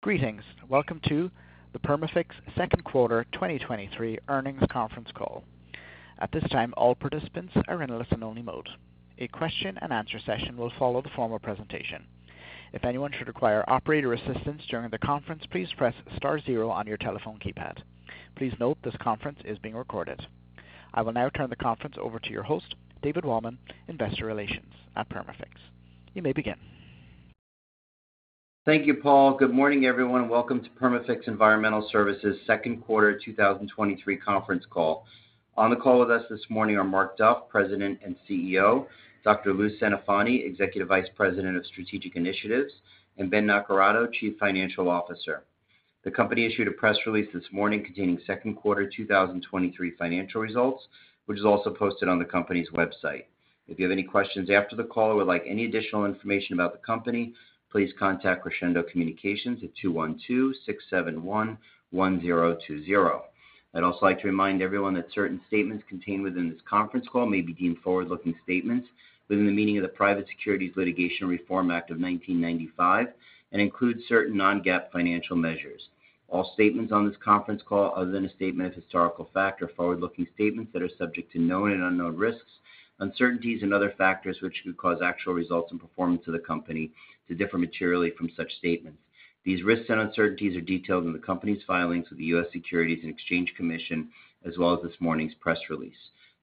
Greetings! Welcome to the Perma-Fix second quarter 2023 earnings conference call. At this time, all participants are in a listen-only mode. A question and answer session will follow the formal presentation. If anyone should require operator assistance during the conference, please press star 0 on your telephone keypad. Please note, this conference is being recorded. I will now turn the conference over to your host, David Waldman, Investor Relations at Perma-Fix. You may begin. Thank you, Paul. Good morning, everyone, and welcome to Perma-Fix Environmental Services second quarter 2023 conference call. On the call with us this morning are Mark Duff, President and CEO, Dr. Lou Centofanti, Executive Vice President of Strategic Initiatives, and Ben Naccarato, Chief Financial Officer. The company issued a press release this morning containing second quarter 2023 financial results, which is also posted on the company's website. If you have any questions after the call or would like any additional information about the company, please contact Crescendo Communications at 212-671-1020. I'd also like to remind everyone that certain statements contained within this conference call may be deemed forward-looking statements within the meaning of the Private Securities Litigation Reform Act of 1995 and include certain non-GAAP financial measures. All statements on this conference call, other than a statement of historical fact, are forward-looking statements that are subject to known and unknown risks, uncertainties, and other factors, which could cause actual results and performance of the company to differ materially from such statements. These risks and uncertainties are detailed in the company's filings with the U.S. Securities and Exchange Commission, as well as this morning's press release.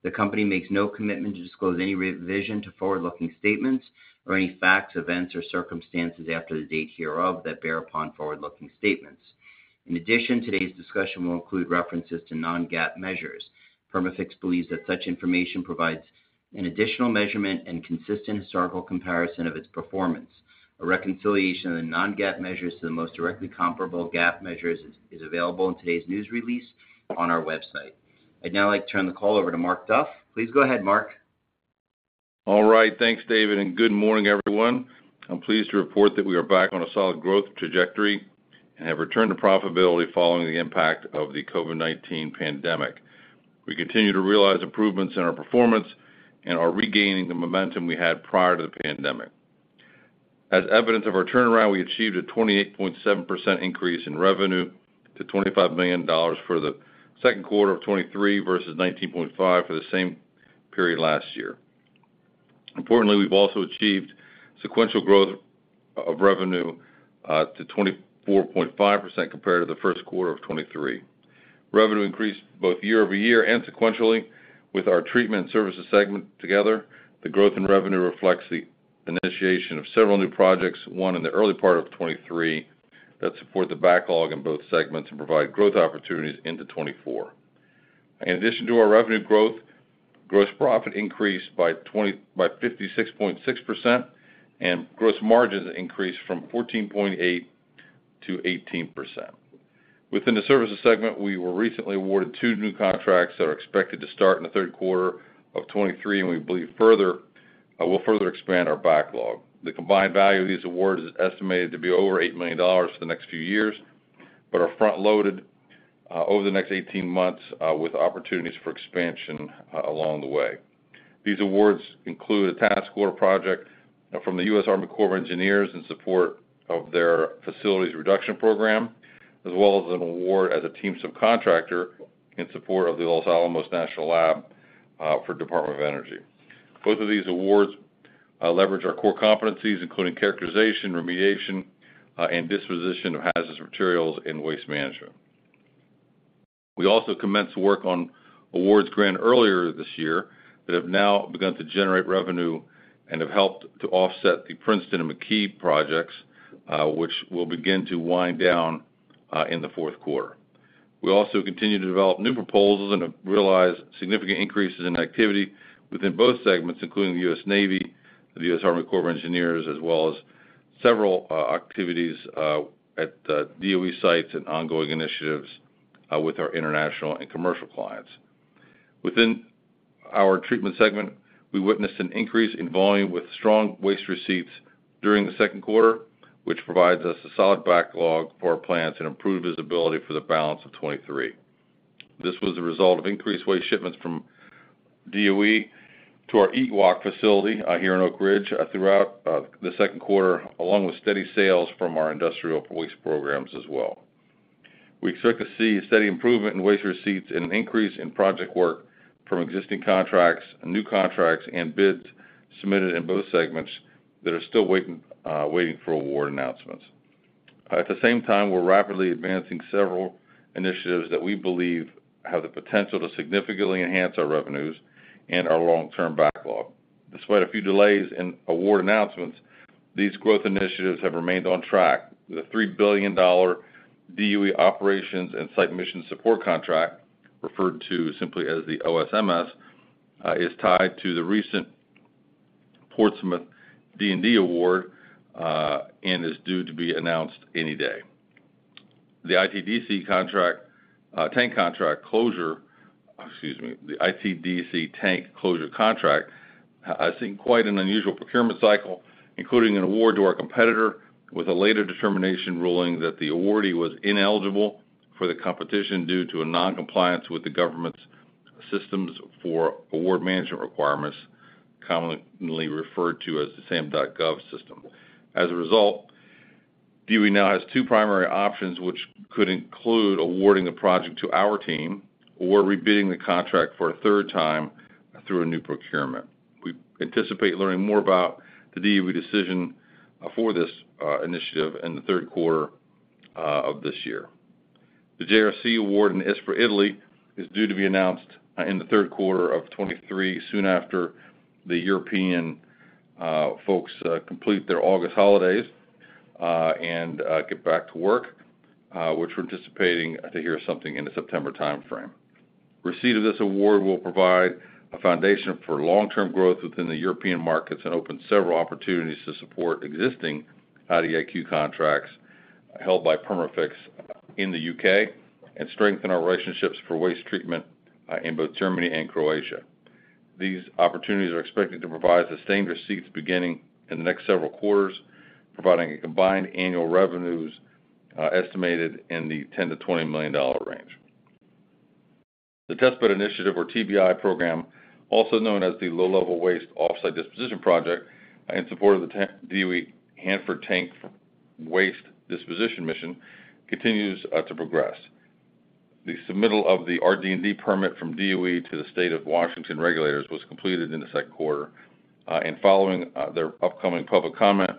The company makes no commitment to disclose any revision to forward-looking statements or any facts, events, or circumstances after the date hereof that bear upon forward-looking statements. In addition, today's discussion will include references to non-GAAP measures. Perma-Fix believes that such information provides an additional measurement and consistent historical comparison of its performance. A reconciliation of the non-GAAP measures to the most directly comparable GAAP measures is available in today's news release on our website. I'd now like to turn the call over to Mark Duff. Please go ahead, Mark. All right, thanks, David, good morning, everyone. I'm pleased to report that we are back on a solid growth trajectory and have returned to profitability following the impact of the COVID-19 pandemic. We continue to realize improvements in our performance and are regaining the momentum we had prior to the pandemic. As evidence of our turnaround, we achieved a 28.7% increase in revenue to $25 million for the second quarter of 2023 versus $19.5 million for the same period last year. Importantly, we've also achieved sequential growth of revenue to 24.5% compared to the first quarter of 2023. Revenue increased both year-over-year and sequentially with our treatment services segment together. The growth in revenue reflects the initiation of several new projects, one in the early part of 2023, that support the backlog in both segments and provide growth opportunities into 2024. In addition to our revenue growth, gross profit increased by 56.6%, and gross margins increased from 14.8% to 18%. Within the services segment, we were recently awarded two new contracts that are expected to start in the third quarter of 2023, and we believe further will further expand our backlog. The combined value of these awards is estimated to be over $8 million for the next few years, but are front-loaded over the next 18 months, with opportunities for expansion along the way. These awards include a task order project from the U.S. Army Corps of Engineers in support of its Facilities Reduction Program, as well as an award as a team subcontractor in support of the Los Alamos National Lab for Department of Energy. Both of these awards leverage our core competencies, including characterization, remediation, and disposition of hazardous materials and waste management. We also commenced work on awards granted earlier this year that have now begun to generate revenue and have helped to offset the Princeton and McKee projects, which will begin to wind down in the fourth quarter. We also continue to develop new proposals and have realized significant increases in activity within both segments, including the U.S. Navy, the U.S. Army Corps of Engineers, as well as several activities at DOE sites and ongoing initiatives with our international and commercial clients. Within our treatment segment, we witnessed an increase in volume with strong waste receipts during the second quarter, which provides us a solid backlog for our plants and improved visibility for the balance of 2023. This was a result of increased waste shipments from DOE to our EWOC facility here in Oak Ridge throughout the second quarter, along with steady sales from our industrial waste programs as well. We expect to see a steady improvement in waste receipts and an increase in project work from existing contracts, new contracts, and bids submitted in both segments that are still waiting, waiting for award announcements. At the same time, we're rapidly advancing several initiatives that we believe have the potential to significantly enhance our revenues and our long-term backlog. Despite a few delays in award announcements, these growth initiatives have remained on track. The $3 billion DOE Operations and Site Mission Support contract, referred to simply as the OSMS, is tied to the recent Portsmouth D&D award, and is due to be announced any day. The ITDC tank closure contract has seen quite an unusual procurement cycle, including an award to our competitor with a later determination, ruling that the awardee was ineligible for the competition due to a non-compliance with the government's systems for award management requirements, commonly referred to as the SAM.gov system. As a result, DOE now has two primary options, which could include awarding the project to our team or re-bidding the contract for a third time through a new procurement. We anticipate learning more about the DOE decision for this initiative in the third quarter of this year. The JRC award in Ispra, Italy, is due to be announced in the third quarter of 2023, soon after the European folks complete their August holidays, and get back to work, which we're anticipating to hear something in the September timeframe. Receipt of this award will provide a foundation for long-term growth within the European markets and open several opportunities to support existing IDIQ contracts held by Perma-Fix in the U.K., and strengthen our relationships for waste treatment in both Germany and Croatia. These opportunities are expected to provide sustained receipts beginning in the next several quarters, providing a combined annual revenues estimated in the $10 million-$20 million range. The Test Bed Initiative, or TBI program, also known as the Low-Level Waste Off-site Disposition Project, in support of the DOE Hanford Tank Waste Disposition mission, continues to progress. The submittal of the RD&D permit from DOE to the State of Washington regulators was completed in the second quarter, and following their upcoming public comment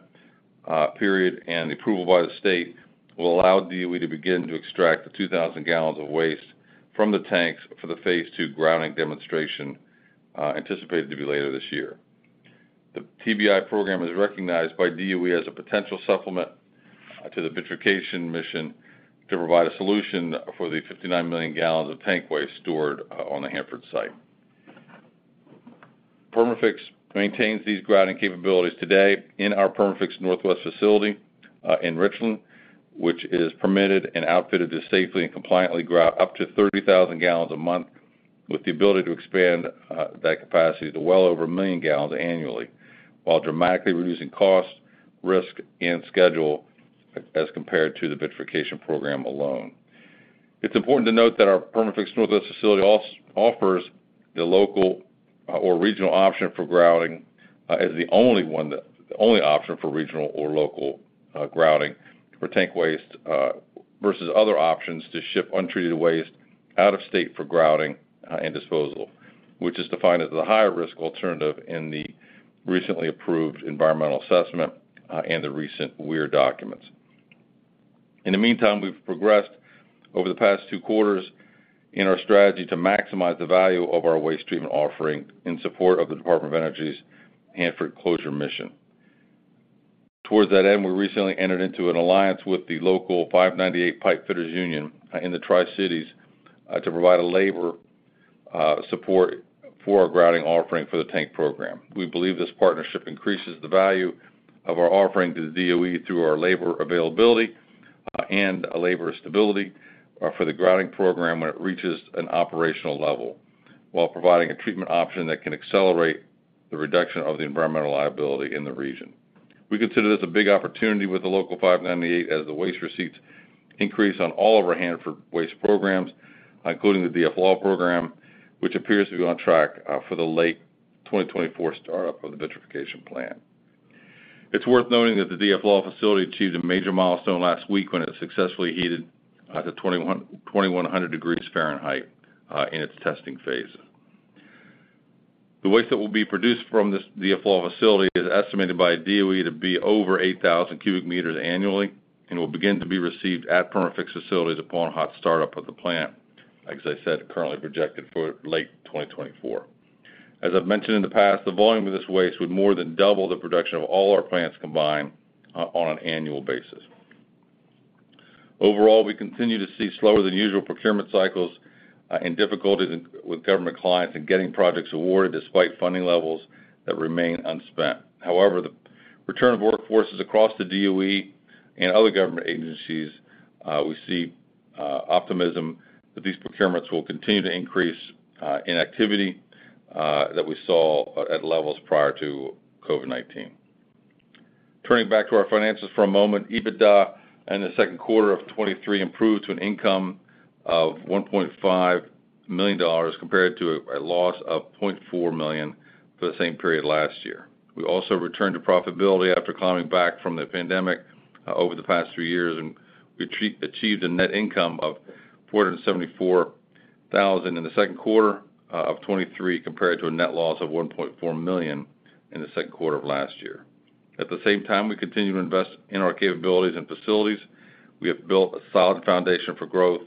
period and approval by the state, will allow DOE to begin to extract the 2,000 gallons of waste from the tanks for the phase 2 grouting demonstration, anticipated to be later this year. The TBI program is recognized by DOE as a potential supplement to the vitrification mission, to provide a solution for the 59 million gallons of tank waste stored on the Hanford site. Perma-Fix maintains these grouting capabilities today in our Perma-Fix Northwest facility in Richland, which is permitted and outfitted to safely and compliantly grout up to 30,000 gallons a month, with the ability to expand that capacity to well over 1 million gallons annually, while dramatically reducing costs, risk, and schedule, as compared to the vitrification program alone. It's important to note that our Perma-Fix Northwest facility offers the local or regional option for grouting as the only one the only option for regional or local grouting for tank waste versus other options to ship untreated waste out of state for grouting and disposal, which is defined as the higher risk alternative in the recently approved environmental assessment and the recent WIR documents. In the meantime, we've progressed over the past 2 quarters in our strategy to maximize the value of our waste treatment offering in support of the Department of Energy's Hanford closure mission. Towards that end, we recently entered into an alliance with the Local 598 pipefitters union in the Tri-Cities to provide a labor support for our grouting offering for the tank program. We believe this partnership increases the value of our offering to the DOE through our labor availability and a labor stability for the grouting program when it reaches an operational level, while providing a treatment option that can accelerate the reduction of the environmental liability in the region. We consider this a big opportunity with the Local 598, as the waste receipts increase on all of our Hanford waste programs, including the DFLAW program, which appears to be on track for the late 2024 startup of the vitrification plant. It's worth noting that the DFLAW facility achieved a major milestone last week when it successfully heated to 2,100 degrees Fahrenheit in its testing phase. The waste that will be produced from this DFLAW facility is estimated by DOE to be over 8,000 cubic meters annually, and will begin to be received at Perma-Fix facilities upon hot startup of the plant. Like as I said, currently projected for late 2024. As I've mentioned in the past, the volume of this waste would more than double the production of all our plants combined on an annual basis. Overall, we continue to see slower than usual procurement cycles, and difficulties with government clients in getting projects awarded, despite funding levels that remain unspent. The return of workforces across the DOE and other government agencies, we see optimism that these procurements will continue to increase in activity that we saw at levels prior to COVID-19. Turning back to our finances for a moment, EBITDA in the second quarter of 2023 improved to an income of $1.5 million, compared to a loss of $0.4 million for the same period last year. We also returned to profitability after coming back from the pandemic, over the past three years, and we achieved a net income of $474,000 in the second quarter of 2023, compared to a net loss of $1.4 million in the second quarter of last year. At the same time, we continue to invest in our capabilities and facilities. We have built a solid foundation for growth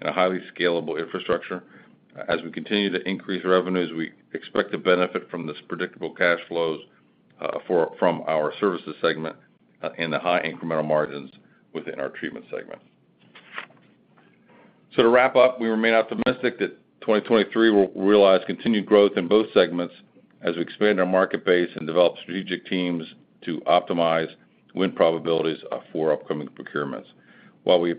and a highly scalable infrastructure. As we continue to increase revenues, we expect to benefit from this predictable cash flows, from our services segment, in the high incremental margins within our treatment segment. To wrap up, we remain optimistic that 2023 will realize continued growth in both segments as we expand our market base and develop strategic teams to optimize win probabilities, for upcoming procurements. While we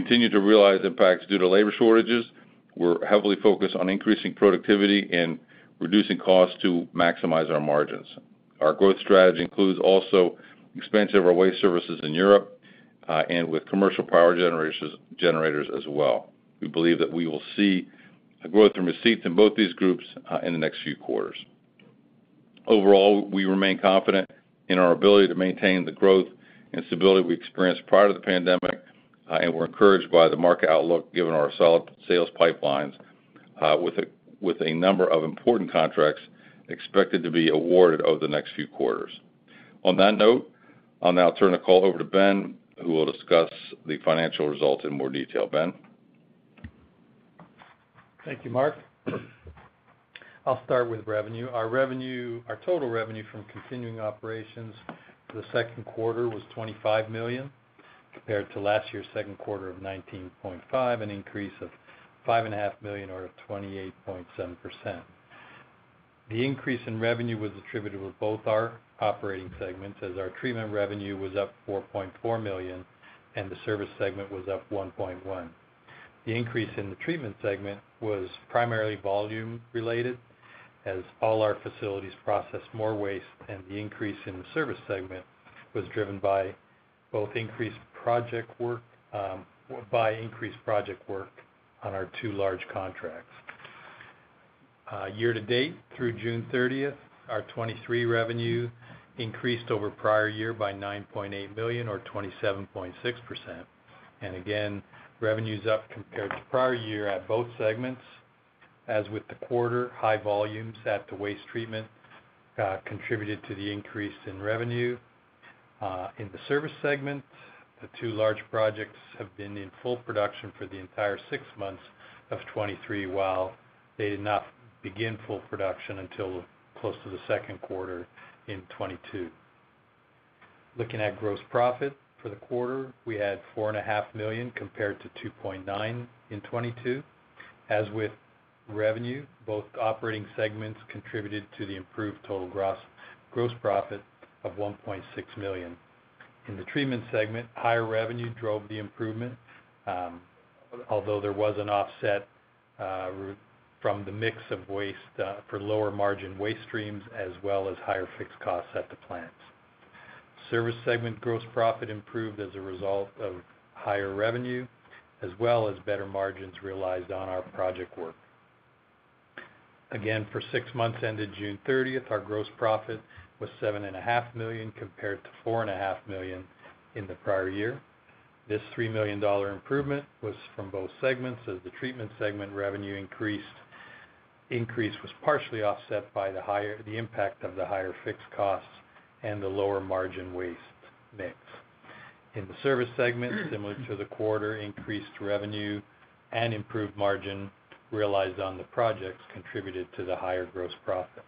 continue to realize impacts due to labor shortages, we're heavily focused on increasing productivity and reducing costs to maximize our margins. Our growth strategy includes also expansion of our waste services in Europe, and with commercial power generations, generators as well. We believe that we will see a growth in receipts in both these groups, in the next few quarters. Overall, we remain confident in our ability to maintain the growth and stability we experienced prior to the pandemic, and we're encouraged by the market outlook, given our solid sales pipelines, with a number of important contracts expected to be awarded over the next few quarters. On that note, I'll now turn the call over to Ben, who will discuss the financial results in more detail. Ben? Thank you, Mark. I'll start with revenue. Our total revenue from continuing operations for the second quarter was $25 million, compared to last year's second quarter of $19.5 million, an increase of $5.5 million, or 28.7%. The increase in revenue was attributed with both our operating segments, as our treatment revenue was up $4.4 million, and the service segment was up $1.1 million. The increase in the treatment segment was primarily volume related, as all our facilities processed more waste, and the increase in the service segment was driven by both increased project work on our two large contracts. Year-to-date, through June 30th, our 2023 revenue increased over prior year by $9.8 million, or 27.6%. Again, revenue is up compared to prior year at both segments. As with the quarter, high volumes at the waste treatment contributed to the increase in revenue. In the service segment, the 2 large projects have been in full production for the entire 6 months of 2023, while they did not begin full production until close to the second quarter in 2022. Looking at gross profit, for the quarter, we had $4.5 million, compared to $2.9 million in 2022. As with revenue, both operating segments contributed to the improved total gross, gross profit of $1.6 million. In the treatment segment, higher revenue drove the improvement, although there was an offset from the mix of waste for lower-margin waste streams, as well as higher fixed costs at the plants. Service segment gross profit improved as a result of higher revenue, as well as better margins realized on our project work. Again, for six months ended June 30th, our gross profit was $7.5 million, compared to $4.5 million in the prior year. This $3 million improvement was from both segments, as the treatment segment revenue increased, increase was partially offset by the impact of the higher fixed costs and the lower margin waste mix. In the service segment, similar to the quarter, increased revenue and improved margin realized on the projects contributed to the higher gross profit.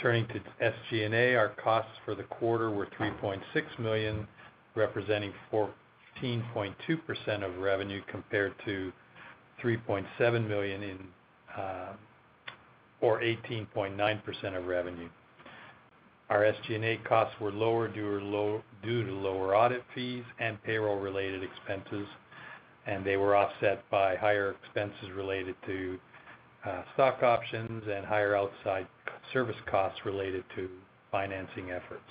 Turning to SG&A, our costs for the quarter were $3.6 million, representing 14.2% of revenue, compared to $3.7 million, or 18.9% of revenue. Our SG&A costs were lower due to low, due to lower audit fees and payroll-related expenses. They were offset by higher expenses related to stock options and higher outside service costs related to financing efforts.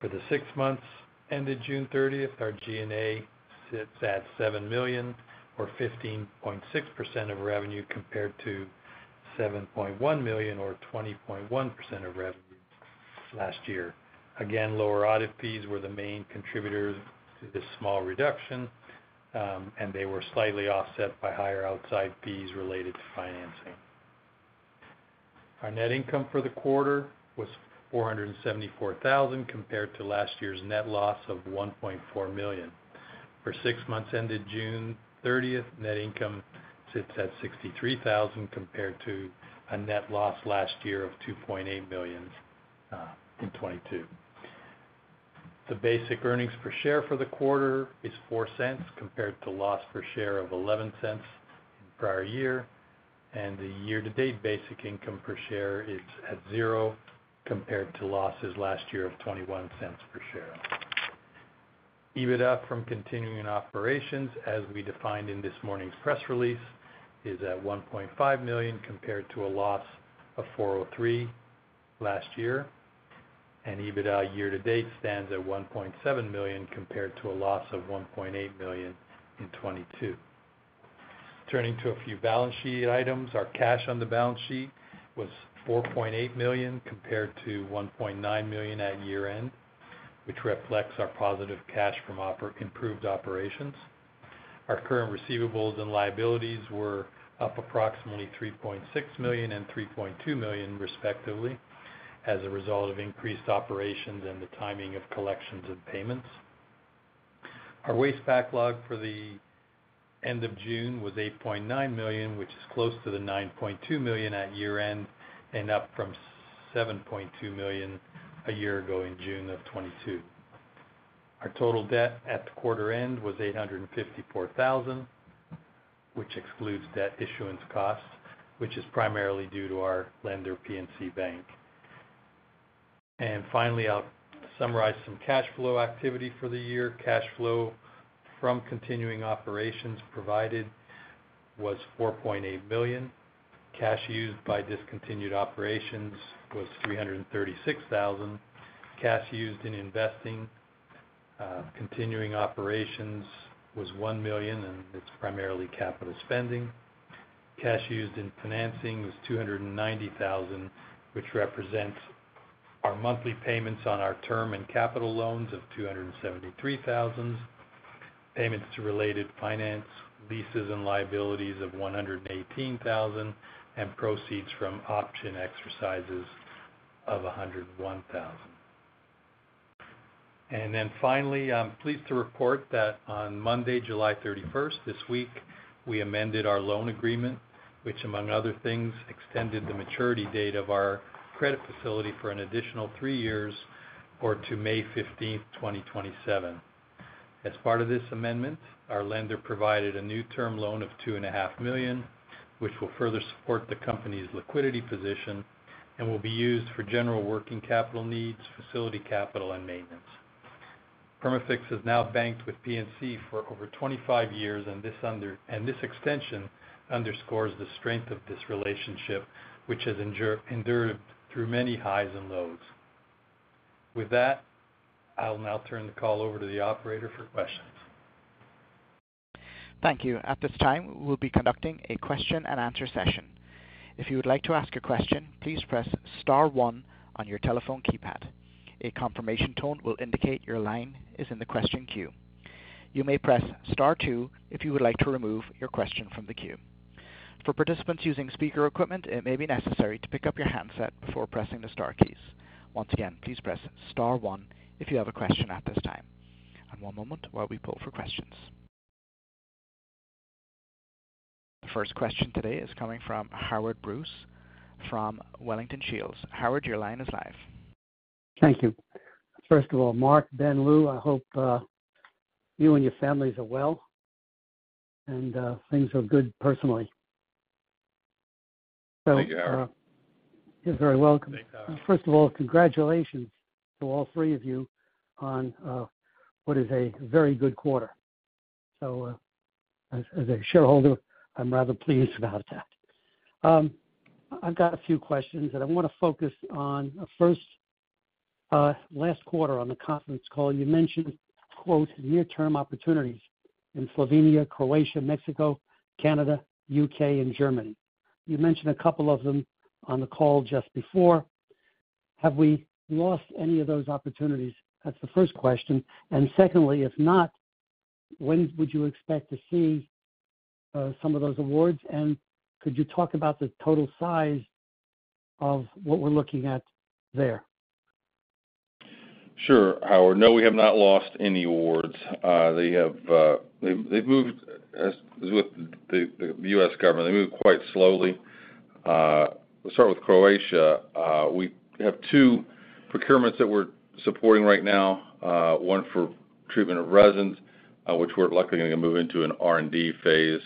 For the 6 months ended June 30th, our G&A sits at $7 million, or 15.6% of revenue, compared to $7.1 million, or 20.1% of revenue last year. Again, lower audit fees were the main contributor to this small reduction. They were slightly offset by higher outside fees related to financing. Our net income for the quarter was $474,000, compared to last year's net loss of $1.4 million. For 6 months ended June 30th, net income sits at $63,000, compared to a net loss last year of $2.8 million in 2022. The basic earnings per share for the quarter is $0.04, compared to loss per share of $0.11 in prior year. The year-to-date basic income per share is at zero, compared to losses last year of $0.21 per share. EBITDA from continuing operations, as we defined in this morning's press release, is at $1.5 million, compared to a loss of $403,000 last year. EBITDA year to date stands at $1.7 million, compared to a loss of $1.8 million in 2022. Turning to a few balance sheet items, our cash on the balance sheet was $4.8 million, compared to $1.9 million at year-end, which reflects our positive cash from improved operations. Our current receivables and liabilities were up approximately $3.6 million and $3.2 million, respectively, as a result of increased operations and the timing of collections and payments. Our waste backlog for the end of June was $8.9 million, which is close to the $9.2 million at year-end, and up from $7.2 million a year ago in June of 2022. Our total debt at the quarter end was $854,000, which excludes debt issuance costs, which is primarily due to our lender, PNC Bank. Finally, I'll summarize some cash flow activity for the year. Cash flow from continuing operations provided was $4.8 million. Cash used by discontinued operations was $336,000. Cash used in investing, continuing operations was $1 million, and it's primarily capital spending. Cash used in financing was $290,000, which represents our monthly payments on our term and capital loans of $273,000, payments to related finance, leases, and liabilities of $118,000, and proceeds from option exercises of $101,000. Finally, I'm pleased to report that on Monday, July 31st, this week, we amended our loan agreement, which among other things, extended the maturity date of our credit facility for an additional 3 years or to May 15th, 2027. As part of this amendment, our lender provided a new term loan of $2.5 million, which will further support the company's liquidity position and will be used for general working capital needs, facility capital, and maintenance. Perma-Fix is now banked with PNC for over 25 years, this extension underscores the strength of this relationship, which has endured, endured through many highs and lows. With that, I'll now turn the call over to the operator for questions. Thank you. At this time, we'll be conducting a question and answer session. If you would like to ask a question, please press star one on your telephone keypad. A confirmation tone will indicate your line is in the question queue. You may press star two if you would like to remove your question from the queue. For participants using speaker equipment, it may be necessary to pick up your handset before pressing the star keys. Once again, please press star one if you have a question at this time. One moment while we pull for questions. The first question today is coming from Howard Brous from Wellington Shields. Howard, your line is live. Thank you. First of all, Mark, Ben, Lou, I hope you and your families are well, and things are good personally. Thank you, Howard. You're very welcome. Thanks, Howard. First of all, congratulations to all three of you on what is a very good quarter. As, as a shareholder, I'm rather pleased about that. I've got a few questions, and I want to focus on first, last quarter on the conference call, you mentioned, quote, near-term opportunities in Slovenia, Croatia, Mexico, Canada, U.K., and Germany. You mentioned a couple of them on the call just before. Have we lost any of those opportunities? That's the first question. Secondly, if not, when would you expect to see some of those awards, and could you talk about the total size of what we're looking at there? Sure, Howard. No, we have not lost any awards. They have, they've, they've moved, as with the U.S. government, they move quite slowly. We'll start with Croatia. We have two procurements that we're supporting right now, one for treatment of resins, which we're luckily going to move into an R&D phase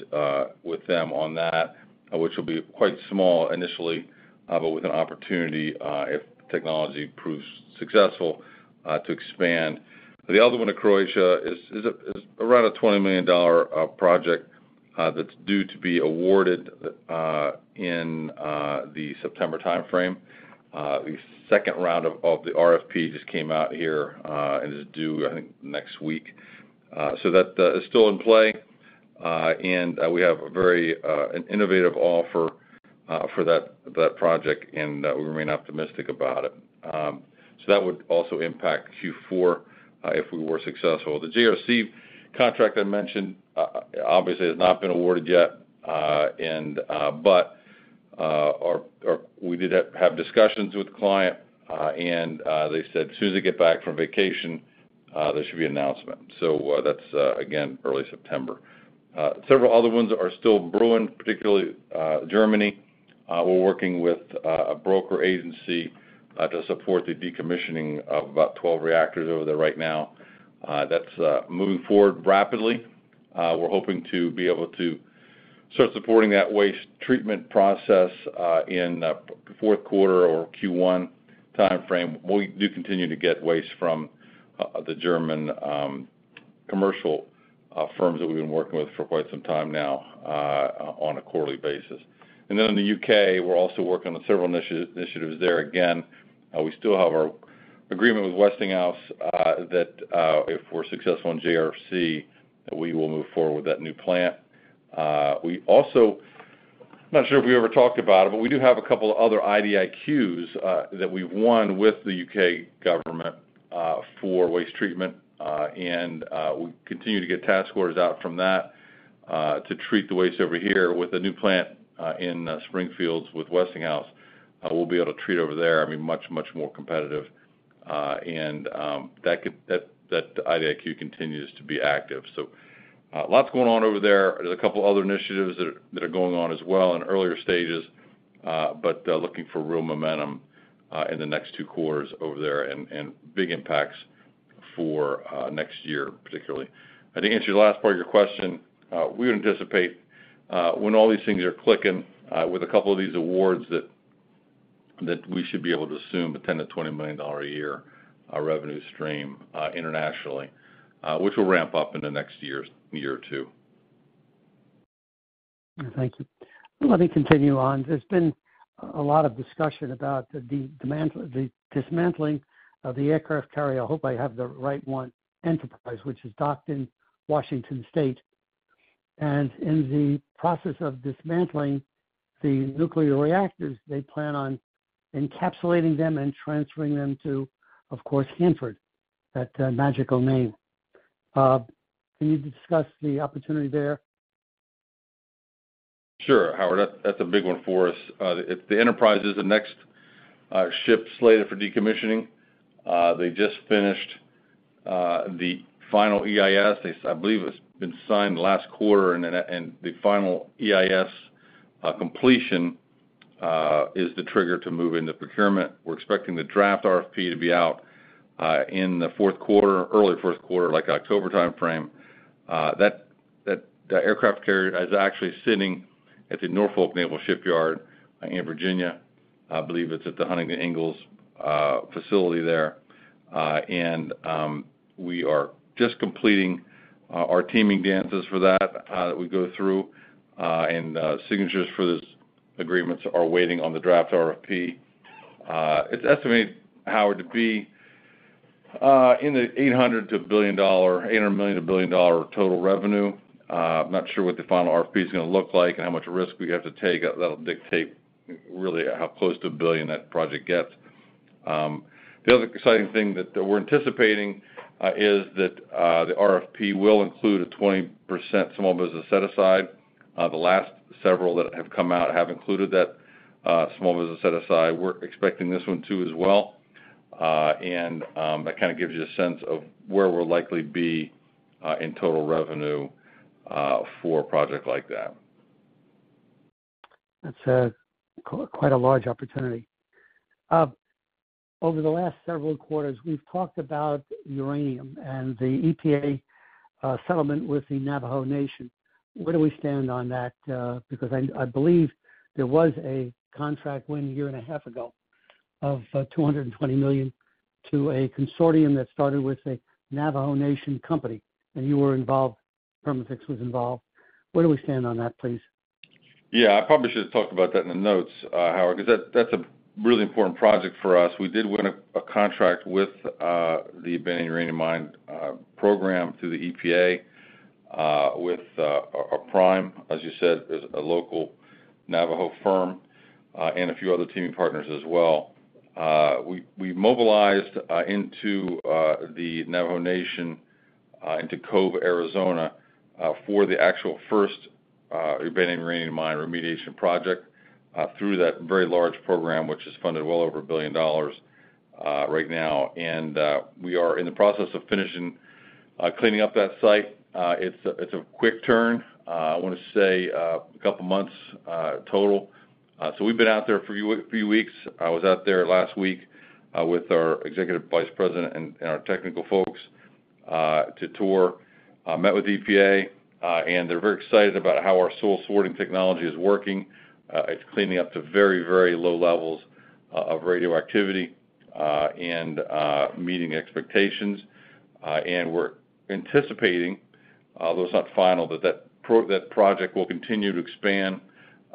with them on that, which will be quite small initially, but with an opportunity, if technology proves successful, to expand. The other one in Croatia is, is, is around a $20 million project that's due to be awarded in the September time frame. The second round of the RFP just came out here and is due, I think, next week. So that is still in play, and we have a very innovative offer for that project, and we remain optimistic about it. That would also impact Q4 if we were successful. The JRC contract I mentioned, obviously, has not been awarded yet, and but we did have discussions with the client, and they said as soon as they get back from vacation, there should be an announcement. That's again, early September. Several other ones are still brewing, particularly Germany. We're working with a broker agency to support the decommissioning of about 12 reactors over there right now. That's moving forward rapidly. We're hoping to be able to start supporting that waste treatment process in fourth quarter or Q1 time frame. We do continue to get waste from the German commercial firms that we've been working with for quite some time now on a quarterly basis. In the U.K., we're also working on several initiatives there. Again, we still have our agreement with Westinghouse that if we're successful in JRC, we will move forward with that new plant. We also... I'm not sure if we ever talked about it, but we do have a couple of other IDIQs, that we've won with the U.K. government, for waste treatment, and we continue to get task orders out from that, to treat the waste over here with a new plant, in Springfields with Westinghouse. We'll be able to treat over there, I mean, much, much more competitive, and that could, that, that IDIQ continues to be active. Lots going on over there. There's a couple other initiatives that are, that are going on as well in earlier stages, looking for real momentum, in the next 2 quarters over there and, and big impacts, for next year, particularly. To answer the last part of your question, we would anticipate, when all these things are clicking, with a couple of these awards that we should be able to assume a $10 million-$20 million a year revenue stream internationally, which will ramp up in the next one or two years. Thank you. Let me continue on. There's been a lot of discussion about the dismantling of the aircraft carrier. I hope I have the right one, Enterprise, which is docked in Washington State. In the process of dismantling the nuclear reactors, they plan on encapsulating them and transferring them to, of course, Hanford, that magical name. Can you discuss the opportunity there? Sure, Howard, that's, that's a big one for us. The Enterprise is the next ship slated for decommissioning. They just finished the final EIS. I believe it's been signed last quarter, and then, and the final EIS completion is the trigger to move into procurement. We're expecting the draft RFP to be out in the fourth quarter, early fourth quarter, like October timeframe. That, that aircraft carrier is actually sitting at the Norfolk Naval Shipyard in Virginia. I believe it's at the Huntington Ingalls facility there. We are just completing our teaming dances for that that we go through, and signatures for those agreements are waiting on the draft RFP. It's estimated, Howard, to be, in the $800 million-$1 billion total revenue. I'm not sure what the final RFP is gonna look like and how much risk we have to take. That'll dictate really how close to $1 billion that project gets. The other exciting thing that we're anticipating, is that, the RFP will include a 20% small business set-aside. The last several that have come out have included that, small business set-aside. We're expecting this one, too, as well. That kind of gives you a sense of where we'll likely be, in total revenue, for a project like that. That's quite a large opportunity. Over the last several quarters, we've talked about uranium and the EPA settlement with the Navajo Nation. Where do we stand on that? Because I, I believe there was a contract won a year and a half ago of $220 million to a consortium that started with a Navajo Nation company, and you were involved, Perma-Fix was involved. Where do we stand on that, please? Yeah, I probably should have talked about that in the notes, Howard, 'cause that, that's a really important project for us. We did win a, a contract with the Abandoned Uranium Mine Program through the EPA, with our prime, as you said, is a local Navajo firm, and a few other teaming partners as well. We, we mobilized into the Navajo Nation, into Cove, Arizona, for the actual first Abandoned Uranium Mine remediation project through that very large program, which is funded well over $1 billion right now. We are in the process of finishing cleaning up that site. It's a, it's a quick turn, I want to say, a couple of months total. We've been out there a few weeks. I was out there last week with our executive vice president and, and our technical folks to tour. Met with EPA, and they're very excited about how our soil sorting technology is working. It's cleaning up to very, very Low-Levels of radioactivity, and meeting expectations. And we're anticipating, though it's not final, that that project will continue to expand,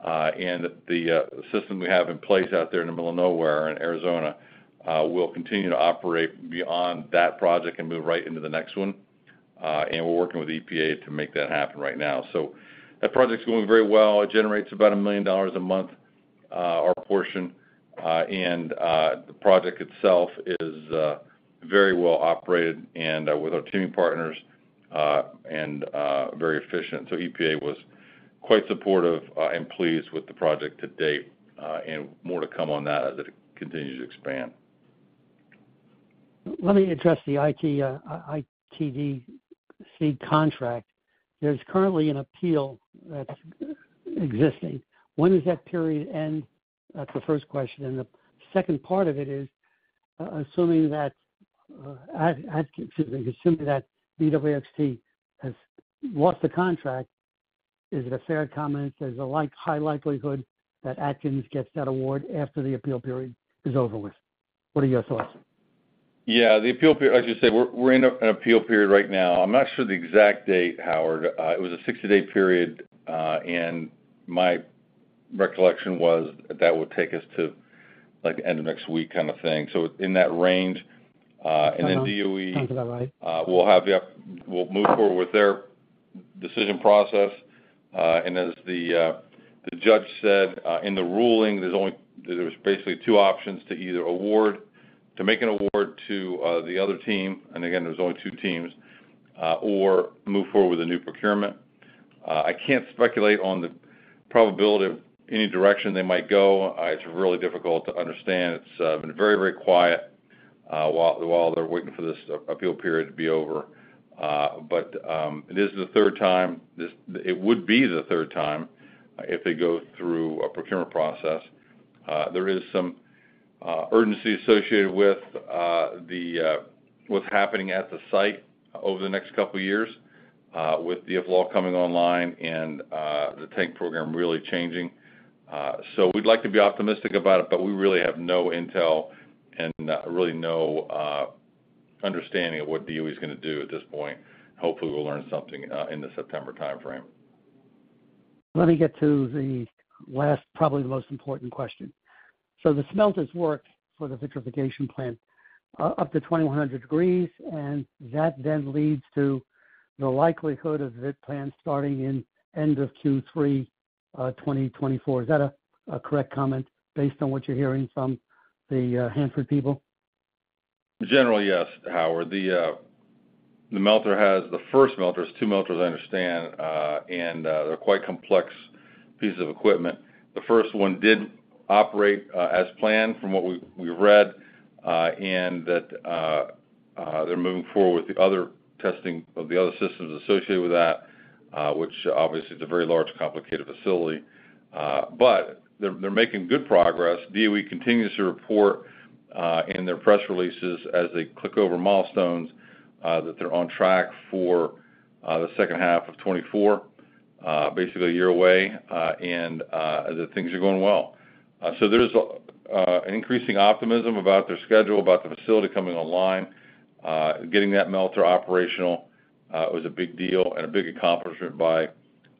and the system we have in place out there in the middle of nowhere in Arizona, will continue to operate beyond that project and move right into the next one. And we're working with EPA to make that happen right now. That project's going very well. It generates about $1 million a month, our portion, and the project itself is very well operated and with our teaming partners, and very efficient. EPA was quite supportive and pleased with the project to date, and more to come on that as it continues to expand. Let me address the ITDC contract. There's currently an appeal that's existing. When does that period end? That's the first question. The second part of it is, assuming that, excuse me, assuming that BWXT has lost the contract, is it a fair comment there's a like, high likelihood that Atkins gets that award after the appeal period is over with? What are your thoughts? Yeah, the appeal period, as you said, we're, we're in an appeal period right now. I'm not sure the exact date, Howard. It was a 60-day period, and my recollection was that would take us to, like, end of next week kind of thing. In that range, DOE- Sounds about right. We'll have the-- we'll move forward with their decision process. As the, the judge said, in the ruling, there's only-- there's basically 2 options: to either award-- to make an award to the other team, again, there's only 2 teams, or move forward with a new procurement. I can't speculate on the probability of any direction they might go. It's really difficult to understand. It's been very, very quiet, while, while they're waiting for this appeal period to be over. It is the 3rd time, this-- it would be the 3rd time, if they go through a procurement process. There is some urgency associated with the what's happening at the site over the next 2 years with the FL coming online and the tank program really changing. We'd like to be optimistic about it, but we really have no intel and really no understanding of what DOE is gonna do at this point. Hopefully, we'll learn something in the September timeframe. Let me get to the last, probably most important question. The smelters worked for the vitrification plant up to 2,100 degrees, and that then leads to the likelihood of the vit plant starting in end of Q3 2024. Is that a correct comment based on what you're hearing from the Hanford people? Generally, yes, Howard. The melter, the first melter, there's two melters, I understand, and they're quite complex pieces of equipment. The first one did operate as planned from what we, we read, and that they're moving forward with the other testing of the other systems associated with that, which obviously is a very large, complicated facility. They're making good progress. DOE continues to report in their press releases as they click over milestones that they're on track for the second half of 2024, basically a year away, and that things are going well. There's an increasing optimism about their schedule, about the facility coming online. Getting that melter operational was a big deal and a big accomplishment by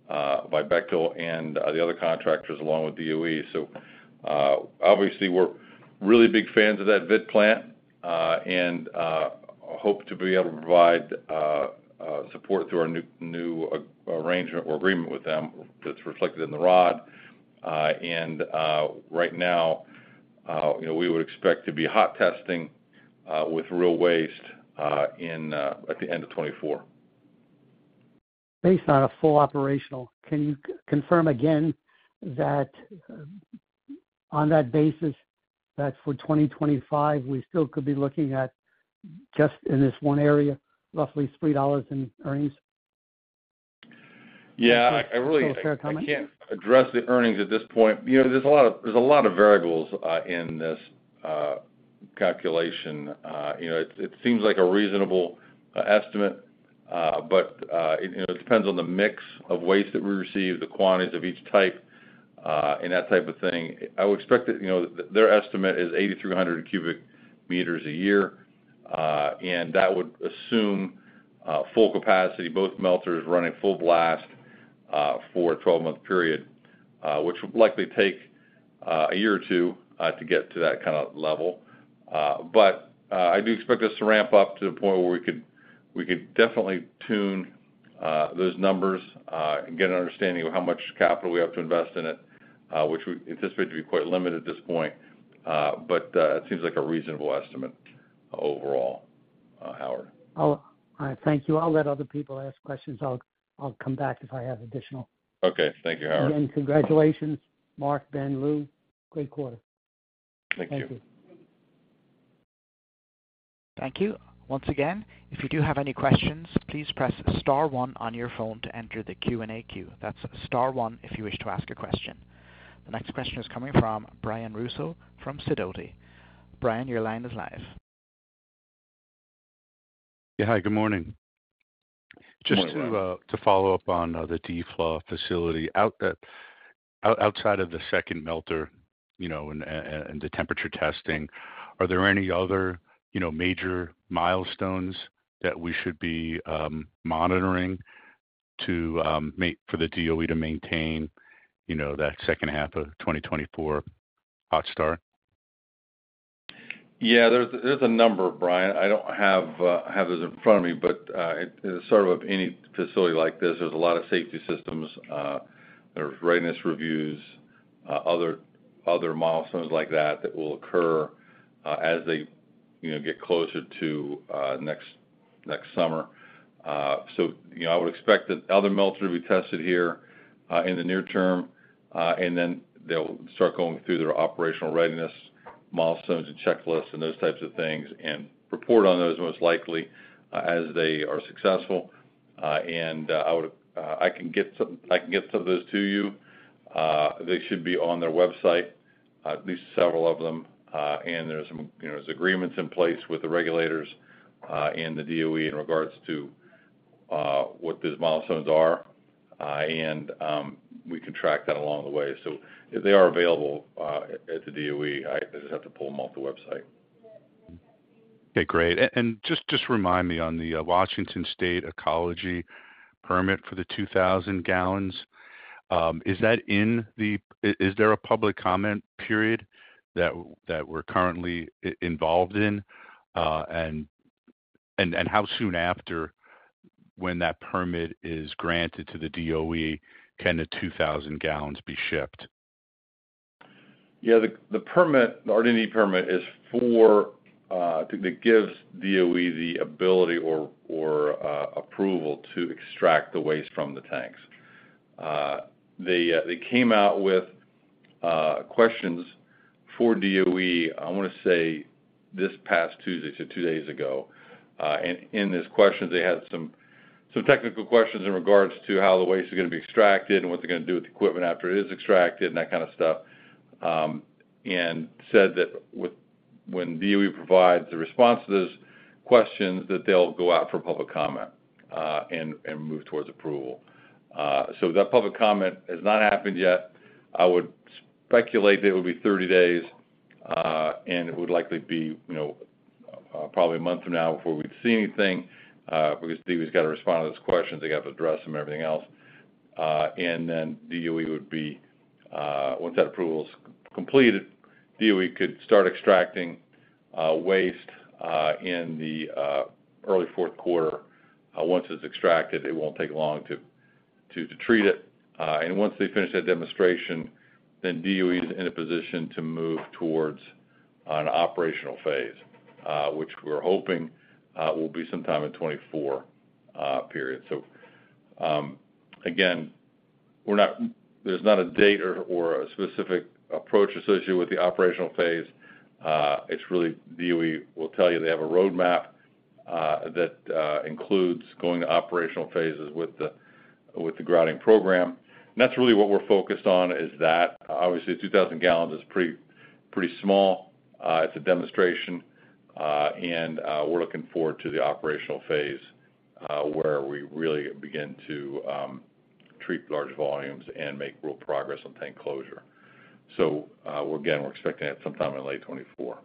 by Bechtel and the other contractors along with DOE. Obviously, we're really big fans of that vit plant, and hope to be able to provide support through our new, new arrangement or agreement with them that's reflected in the ROD. Right now, you know, we would expect to be hot testing with real waste in at the end of 2024. Based on a full operational, can you confirm again that, on that basis, that for 2025, we still could be looking at, just in this one area, roughly $3 in earnings? Yeah, I, I really- Is that a fair comment? I can't address the earnings at this point. You know, there's a lot of, there's a lot of variables in this calculation. You know, it, it seems like a reasonable estimate, but, it, you know, it depends on the mix of waste that we receive, the quantities of each type, and that type of thing. I would expect it, you know, their estimate is 8,300 cubic meters a year, and that would assume full capacity, both melters running full blast, for a 12-month period, which would likely take a year or two to get to that kind of level. I do expect this to ramp up to the point where we could, we could definitely tune those numbers and get an understanding of how much capital we have to invest in it, which we anticipate to be quite limited at this point. It seems like a reasonable estimate overall, Howard. Oh, all right. Thank you. I'll let other people ask questions. I'll, I'll come back if I have additional. Okay. Thank you, Howard. Congratulations, Mark, Ben, Lou. Great quarter. Thank you. Thank you. Once again, if you do have any questions, please press star one on your phone to enter the Q&A queue. That's star one if you wish to ask a question. The next question is coming from Brian Russo from Sidoti. Brian, your line is live. Yeah. Hi, good morning. Good morning. Just to follow up on the DFLAW facility. Outside of the second melter, you know, and, and, and the temperature testing, are there any other, you know, major milestones that we should be monitoring for the DOE to maintain, you know, that second half of 2024 hot start? Yeah, there's, there's a number, Brian. I don't have, have this in front of me, but sort of any facility like this, there's a lot of safety systems, there's readiness reviews, other, other milestones like that, that will occur as they, you know, get closer to next, next summer. You know, I would expect that other melters will be tested here in the near term, and then they'll start going through their operational readiness milestones and checklists and those types of things, and report on those, most likely, as they are successful. I can get some of those to you. They should be on their website, at least several of them. There's some, you know, there's agreements in place with the regulators and the DOE in regards to what these milestones are. We can track that along the way. They are available at the DOE. I, I just have to pull them off the website. Okay, great. Just, just remind me on the Washington State Department of Ecology permit for the 2,000 gallons, is that in the... Is there a public comment period that we're currently involved in? How soon after, when that permit is granted to the DOE, can the 2,000 gallons be shipped? Yeah, the, the permit, the RDD permit, is for, it gives DOE the ability or, or, approval to extract the waste from the tanks. They, they came out with questions for DOE, I want to say this past Tuesday, so two days ago. In this question, they had some, some technical questions in regards to how the waste is going to be extracted and what they're going to do with the equipment after it is extracted, and that kind of stuff. Said that when DOE provides the response to these questions, that they'll go out for public comment, and, and move towards approval. That public comment has not happened yet. I would speculate that it will be 30 days, and it would likely be, you know, probably a month from now before we'd see anything, because DOE's got to respond to those questions. They got to address them and everything else. Then DOE would be, once that approval is completed, DOE could start extracting, waste, in the early 4th quarter. Once it's extracted, it won't take long to, to, to treat it. Once they finish that demonstration, then DOE is in a position to move towards an operational phase, which we're hoping, will be sometime in 2024, period. Again, we're not-- there's not a date or, or a specific approach associated with the operational phase. It's really, DOE will tell you, they have a roadmap that includes going to operational phases with the grouting program. That's really what we're focused on is that. Obviously, 2,000 gallons is pretty, pretty small. It's a demonstration, and we're looking forward to the operational phase where we really begin to treat large volumes and make real progress on tank closure. Again, we're expecting that sometime in late 2024.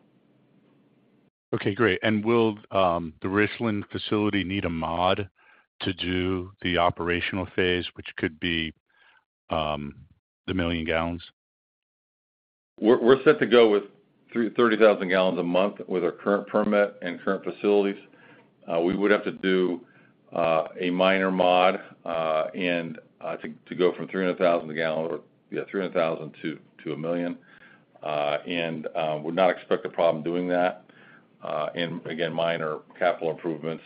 Okay, great. And will the Richland facility need a mod to do the operational phase, which could be the 1 million gallons? We're, we're set to go with 30,000 gallons a month with our current permit and current facilities. We would have to do a minor mod, and to, to go from 300,000 gallons, or, yeah, 300,000 to, to 1 million, and would not expect a problem doing that. Again, minor capital improvements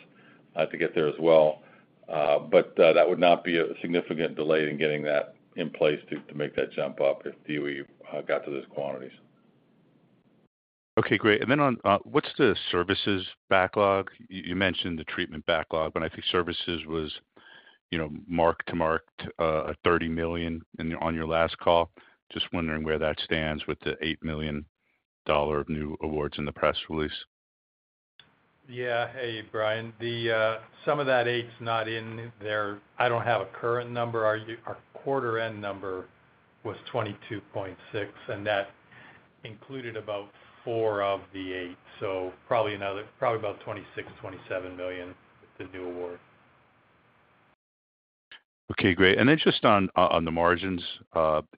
to get there as well. That would not be a significant delay in getting that in place to, to make that jump up if DOE got to those quantities. Okay, great. Then on, what's the services backlog? You, you mentioned the treatment backlog, but I think services was, you know, mark to mark, $30 million on your last call. Just wondering where that stands with the $8 million of new awards in the press release? Yeah. Hey, Brian. The, some of that $8 million's not in there. I don't have a current number. Our quarter-end number was $22.6 million, and that included about $4 million of the $8 million, so probably another probably about $26 million-$27 million with the new award. Okay, great. Then just on, on the margins,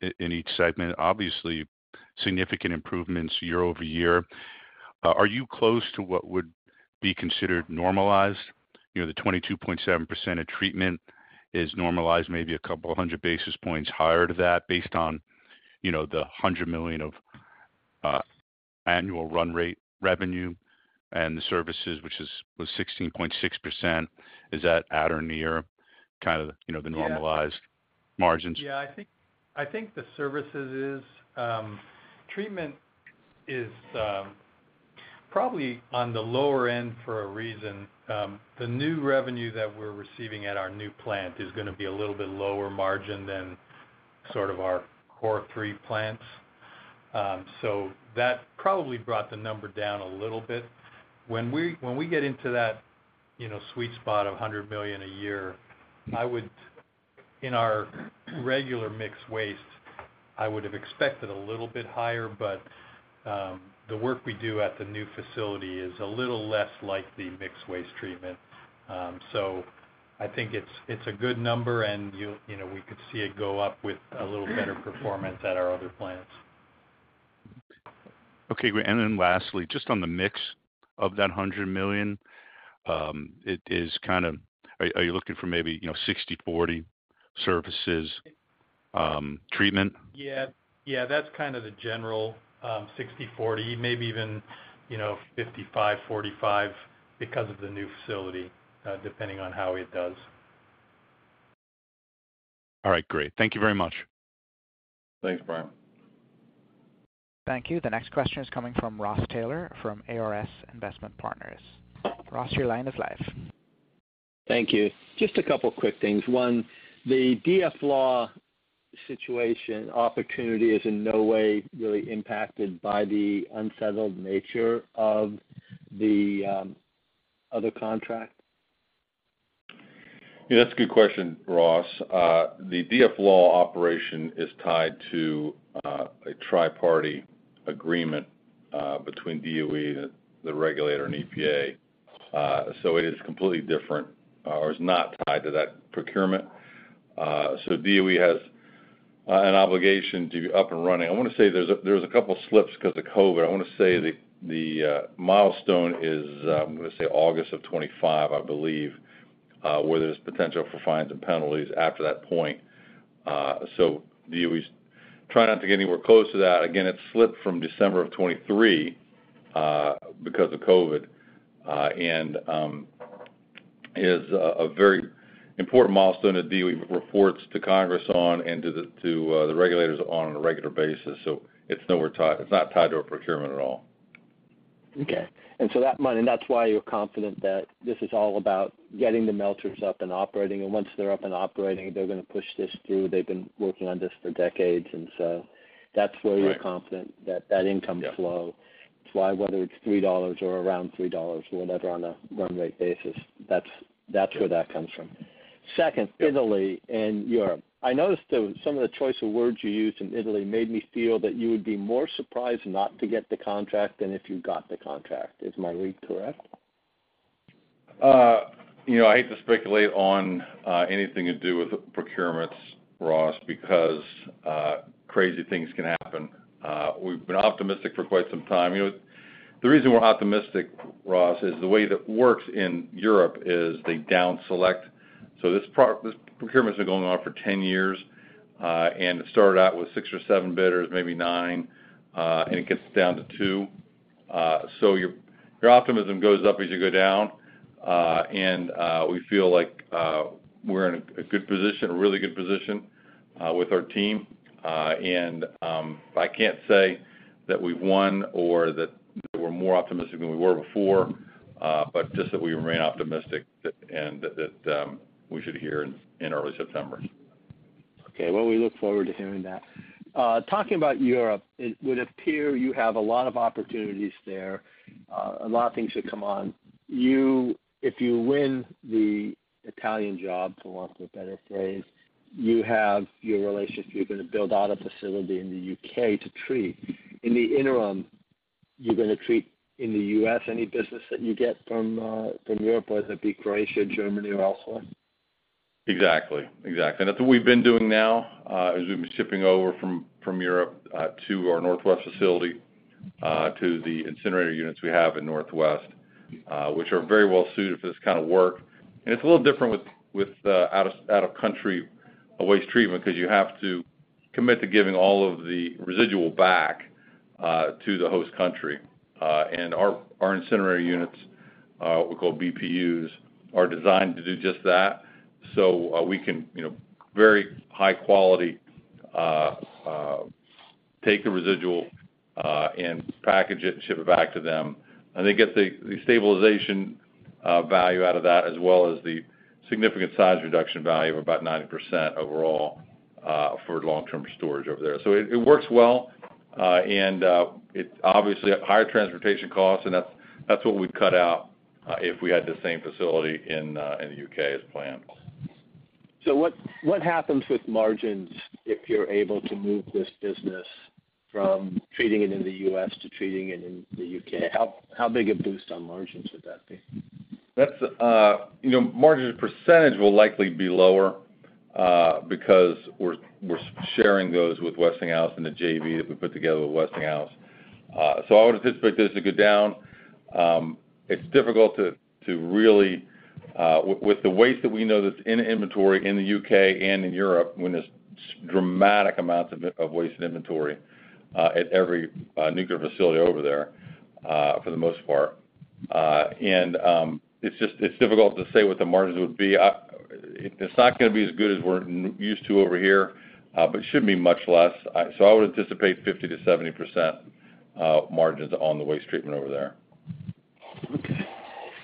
in, in each segment, obviously, significant improvements year-over-year. Are you close to what would be considered normalized? You know, the 22.7% of treatment is normalized, maybe a couple of 100 basis points higher to that based on, you know, the $100 million of annual run rate revenue and the services, which is, was 16.6%. Is that at or near kind of the, you know, the normalized- Yeah -margins? I think, I think the services is, treatment is, probably on the lower end for a reason. The new revenue that we're receiving at our new plant is gonna be a little bit lower margin than sort of our core 3 plants. That probably brought the number down a little bit. When we, when we get into that, you know, sweet spot of $100 million a year, in our regular mixed waste, I would have expected a little bit higher, the work we do at the new facility is a little less like the mixed waste treatment. I think it's, it's a good number, and you, you know, we could see it go up with a little better performance at our other plants. Okay, great. Lastly, just on the mix of that $100 million, it is kind of... Are, are you looking for maybe, you know, 60/40 services, treatment? Yeah. Yeah, that's kind of the general, 60/40, maybe even, you know, 55/45 because of the new facility, depending on how it does. All right, great. Thank you very much. Thanks, Brian. Thank you. The next question is coming from Ross Taylor, from ARS Investment Partners. Ross, your line is live. Thank you. Just a couple of quick things. One, the DFLAW situation opportunity is in no way really impacted by the unsettled nature of the, other contract? Yeah, that's a good question, Ross. The DFLAW operation is tied to a Tri-Party Agreement between DOE and the regulator and EPA. It is completely different or is not tied to that procurement. DOE has an obligation to be up and running. I want to say there's a couple of slips because of COVID. I want to say the milestone is August of 2025, I believe, where there's potential for fines and penalties after that point. DOE is trying not to get anywhere close to that. Again, it slipped from December of 2023 because of COVID, and is a very important milestone that DOE reports to Congress on and to the regulators on a regular basis. It's nowhere tied--. It's not tied to a procurement at all. Okay. So that might, and that's why you're confident that this is all about getting the melters up and operating, and once they're up and operating, they're gonna push this through. They've been working on this for decades, so that's why- Right... you're confident that that income flow- Yeah - that's why, whether it's $3 or around $3, whatever, on a run rate basis, that's, that's where- Yeah - that comes from. Second- Yeah... Italy and Europe. I noticed that some of the choice of words you used in Italy made me feel that you would be more surprised not to get the contract than if you got the contract. Is my read correct? You know, I hate to speculate on anything to do with procurements, Ross, because crazy things can happen. We've been optimistic for quite some time. You know, the reason we're optimistic, Ross, is the way that it works in Europe is they down select. This procurement has been going on for 10 years, and it started out with 6 or 7 bidders, maybe 9, and it gets down to 2. Your, your optimism goes up as you go down. We feel like we're in a good position, a really good position, with our team. I can't say that we've won or that we're more optimistic than we were before, but just that we remain optimistic, that, and that we should hear in, in early September. Okay. Well, we look forward to hearing that. Talking about Europe, it would appear you have a lot of opportunities there, a lot of things that come on. If you win the Italian job, for want of a better phrase, you have your relationship, you're going to build out a facility in the U.K. to treat. In the interim, you're going to treat in the U.S. any business that you get from Europe, whether it be Croatia, Germany, or elsewhere? Exactly, exactly. That's what we've been doing now, is we've been shipping over from, from Europe, to our Northwest facility, to the incinerator units we have in Northwest, which are very well suited for this kind of work. It's a little different with, with out of, out of country waste treatment, because you have to commit to giving all of the residual back to the host country. Our incinerator units, we call BPUs, are designed to do just that. We can, you know, very high quality, take the residual, and package it and ship it back to them. They get the, the stabilization value out of that, as well as the significant size reduction value of about 90% overall, for long-term storage over there. It, it works well, and it obviously, higher transportation costs, and that's, that's what we'd cut out, if we had the same facility in the U.K. as planned. What, what happens with margins if you're able to move this business from treating it in the U.S. to treating it in the U.K.? How, how big a boost on margins would that be? That's, you know, margin percentage will likely be lower, because we're sharing those with Westinghouse and the JV that we put together with Westinghouse. I would anticipate this to go down. It's difficult to, to really, with the waste that we know that's in inventory in the U.K. and in Europe, when there's dramatic amounts of, of waste and inventory, at every nuclear facility over there, for the most part. It's just, it's difficult to say what the margins would be. It's not gonna be as good as we're used to over here, but it shouldn't be much less. I would anticipate 50%-70% margins on the waste treatment over there. Okay.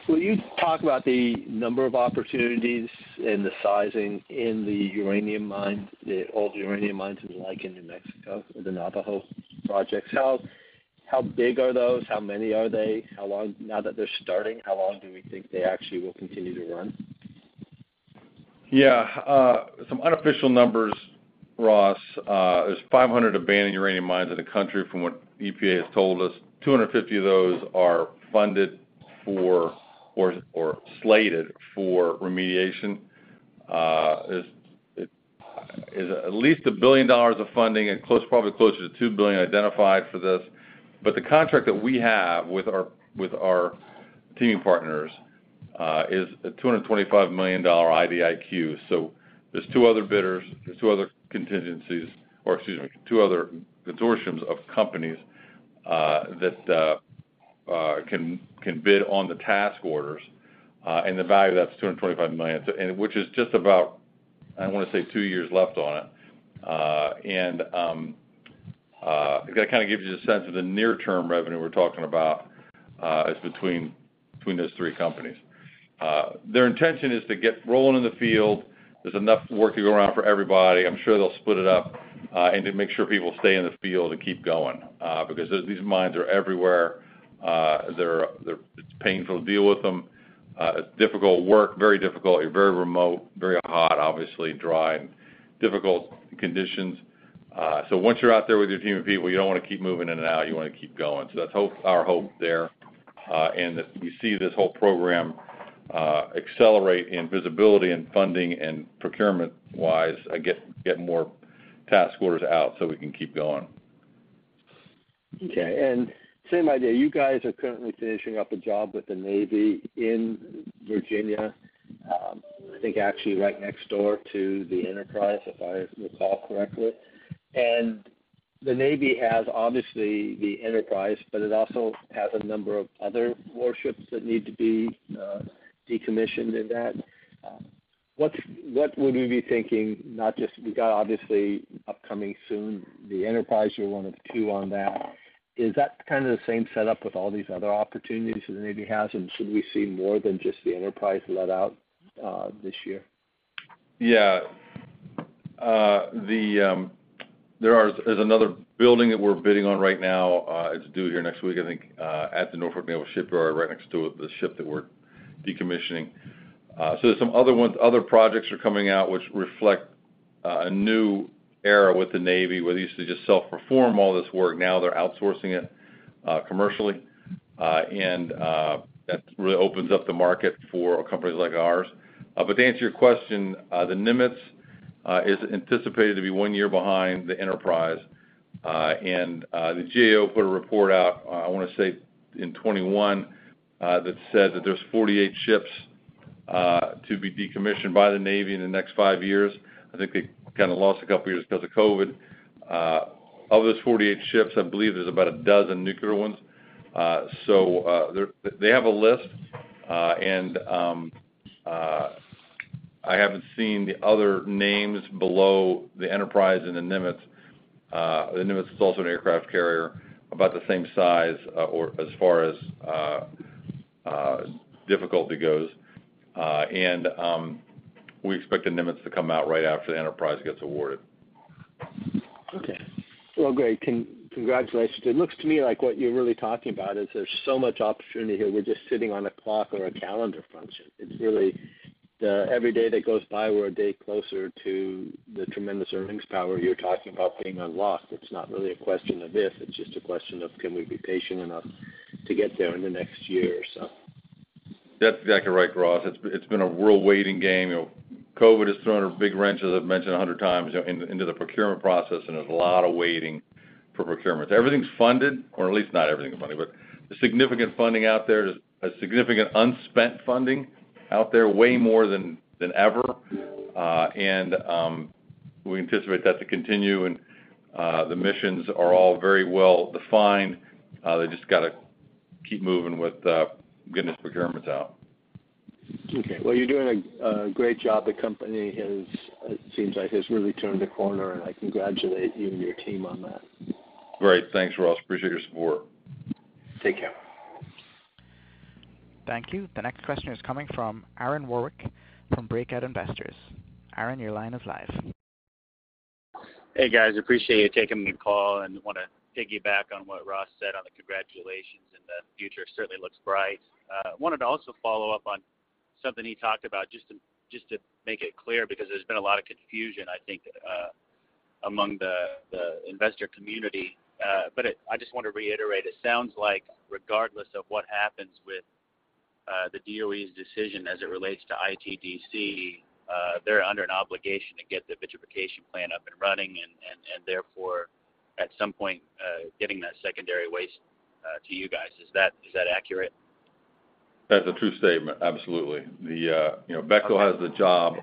Will you talk about the number of opportunities and the sizing in the uranium mine, the old uranium mines in like in New Mexico or the Navajo projects? How big are those? How many are they? Now that they're starting, how long do we think they actually will continue to run? Yeah, some unofficial numbers, Ross. There's 500 abandoned uranium mines in the country, from what EPA has told us. 250 of those are funded for or slated for remediation. It is at least $1 billion of funding, probably closer to $2 billion identified for this. The contract that we have with our team partners is a $225 million IDIQ. There's two other bidders, there's two other contingencies, or excuse me, two other consortiums of companies that can bid on the task orders. The value of that is $225 million, which is just about, I want to say, two years left on it. That kind of gives you a sense of the near-term revenue we're talking about, is between, between those three companies. Their intention is to get rolling in the field. There's enough work to go around for everybody. I'm sure they'll split it up, and to make sure people stay in the field and keep going, because these, these mines are everywhere. They're, they're—it's painful to deal with them. It's difficult work, very difficult, very remote, very hot, obviously dry, difficult conditions. So once you're out there with your team of people, you don't want to keep moving in and out, you want to keep going. That's hope, our hope there, and that we see this whole program accelerate in visibility and funding and procurement-wise, get, get more task orders out so we can keep going. Okay, same idea. You guys are currently finishing up a job with the Navy in Virginia. I think actually right next door to the Enterprise, if I recall correctly. The Navy has obviously the Enterprise, but it also has a number of other warships that need to be decommissioned in that. What's, what would we be thinking, not just, we got obviously upcoming soon, the Enterprise, you're 1 of 2 on that. Is that kind of the same setup with all these other opportunities that the Navy has, and should we see more than just the Enterprise let out this year? Yeah. The, there's another building that we're bidding on right now, it's due here next week, I think, at the Norfolk Naval Shipyard, right next to the ship that we're decommissioning. There's some other ones, other projects are coming out which reflect a new era with the Navy, where they used to just self-perform all this work, now they're outsourcing it commercially. That really opens up the market for companies like ours. To answer your question, the Nimitz is anticipated to be one year behind the Enterprise. The GAO put a report out, I want to say in 2021, that said that there's 48 ships to be decommissioned by the Navy in the next five years. I think they kind of lost a couple of years because of COVID-19. Of those 48 ships, I believe there's about a dozen nuclear ones. They have a list, and I haven't seen the other names below the Enterprise and the Nimitz. The Nimitz is also an aircraft carrier, about the same size, or as far as difficulty goes. We expect the Nimitz to come out right after the Enterprise gets awarded. Okay. Well, great. Congratulations. It looks to me like what you're really talking about is there's so much opportunity here. We're just sitting on a clock or a calendar function. It's really, the every day that goes by, we're a day closer to the tremendous earnings power you're talking about getting unlocked. It's not really a question of if, it's just a question of, can we be patient enough to get there in the next year or so? That's exactly right, Ross. It's been, it's been a real waiting game. You know, COVID has thrown a big wrench, as I've mentioned 100 times, you know, into the procurement process, and there's a lot of waiting for procurement. Everything's funded, or at least not everything is funded, but there's significant funding out there, a significant unspent funding out there, way more than, than ever. We anticipate that to continue, and the missions are all very well defined. They just got to keep moving with getting the procurements out. Okay. Well, you're doing a great job. The company has, it seems like, has really turned a corner, and I congratulate you and your team on that. Great. Thanks, Ross. Appreciate your support. Take care. Thank you. The next question is coming from Aaron Warwick from Breakout Investors. Aaron, your line is live. Hey, guys, appreciate you taking the call, and want to piggyback on what Ross said on the congratulations, and the future certainly looks bright. Wanted to also follow up on something he talked about, just to, just to make it clear, because there's been a lot of confusion, I think, among the investor community. I just want to reiterate, it sounds like regardless of what happens with the DOE's decision as it relates to ITDC, they're under an obligation to get the vitrification plan up and running, and therefore, at some point, getting that secondary waste to you guys. Is that, is that accurate? That's a true statement. Absolutely. The you know Bechtel has the job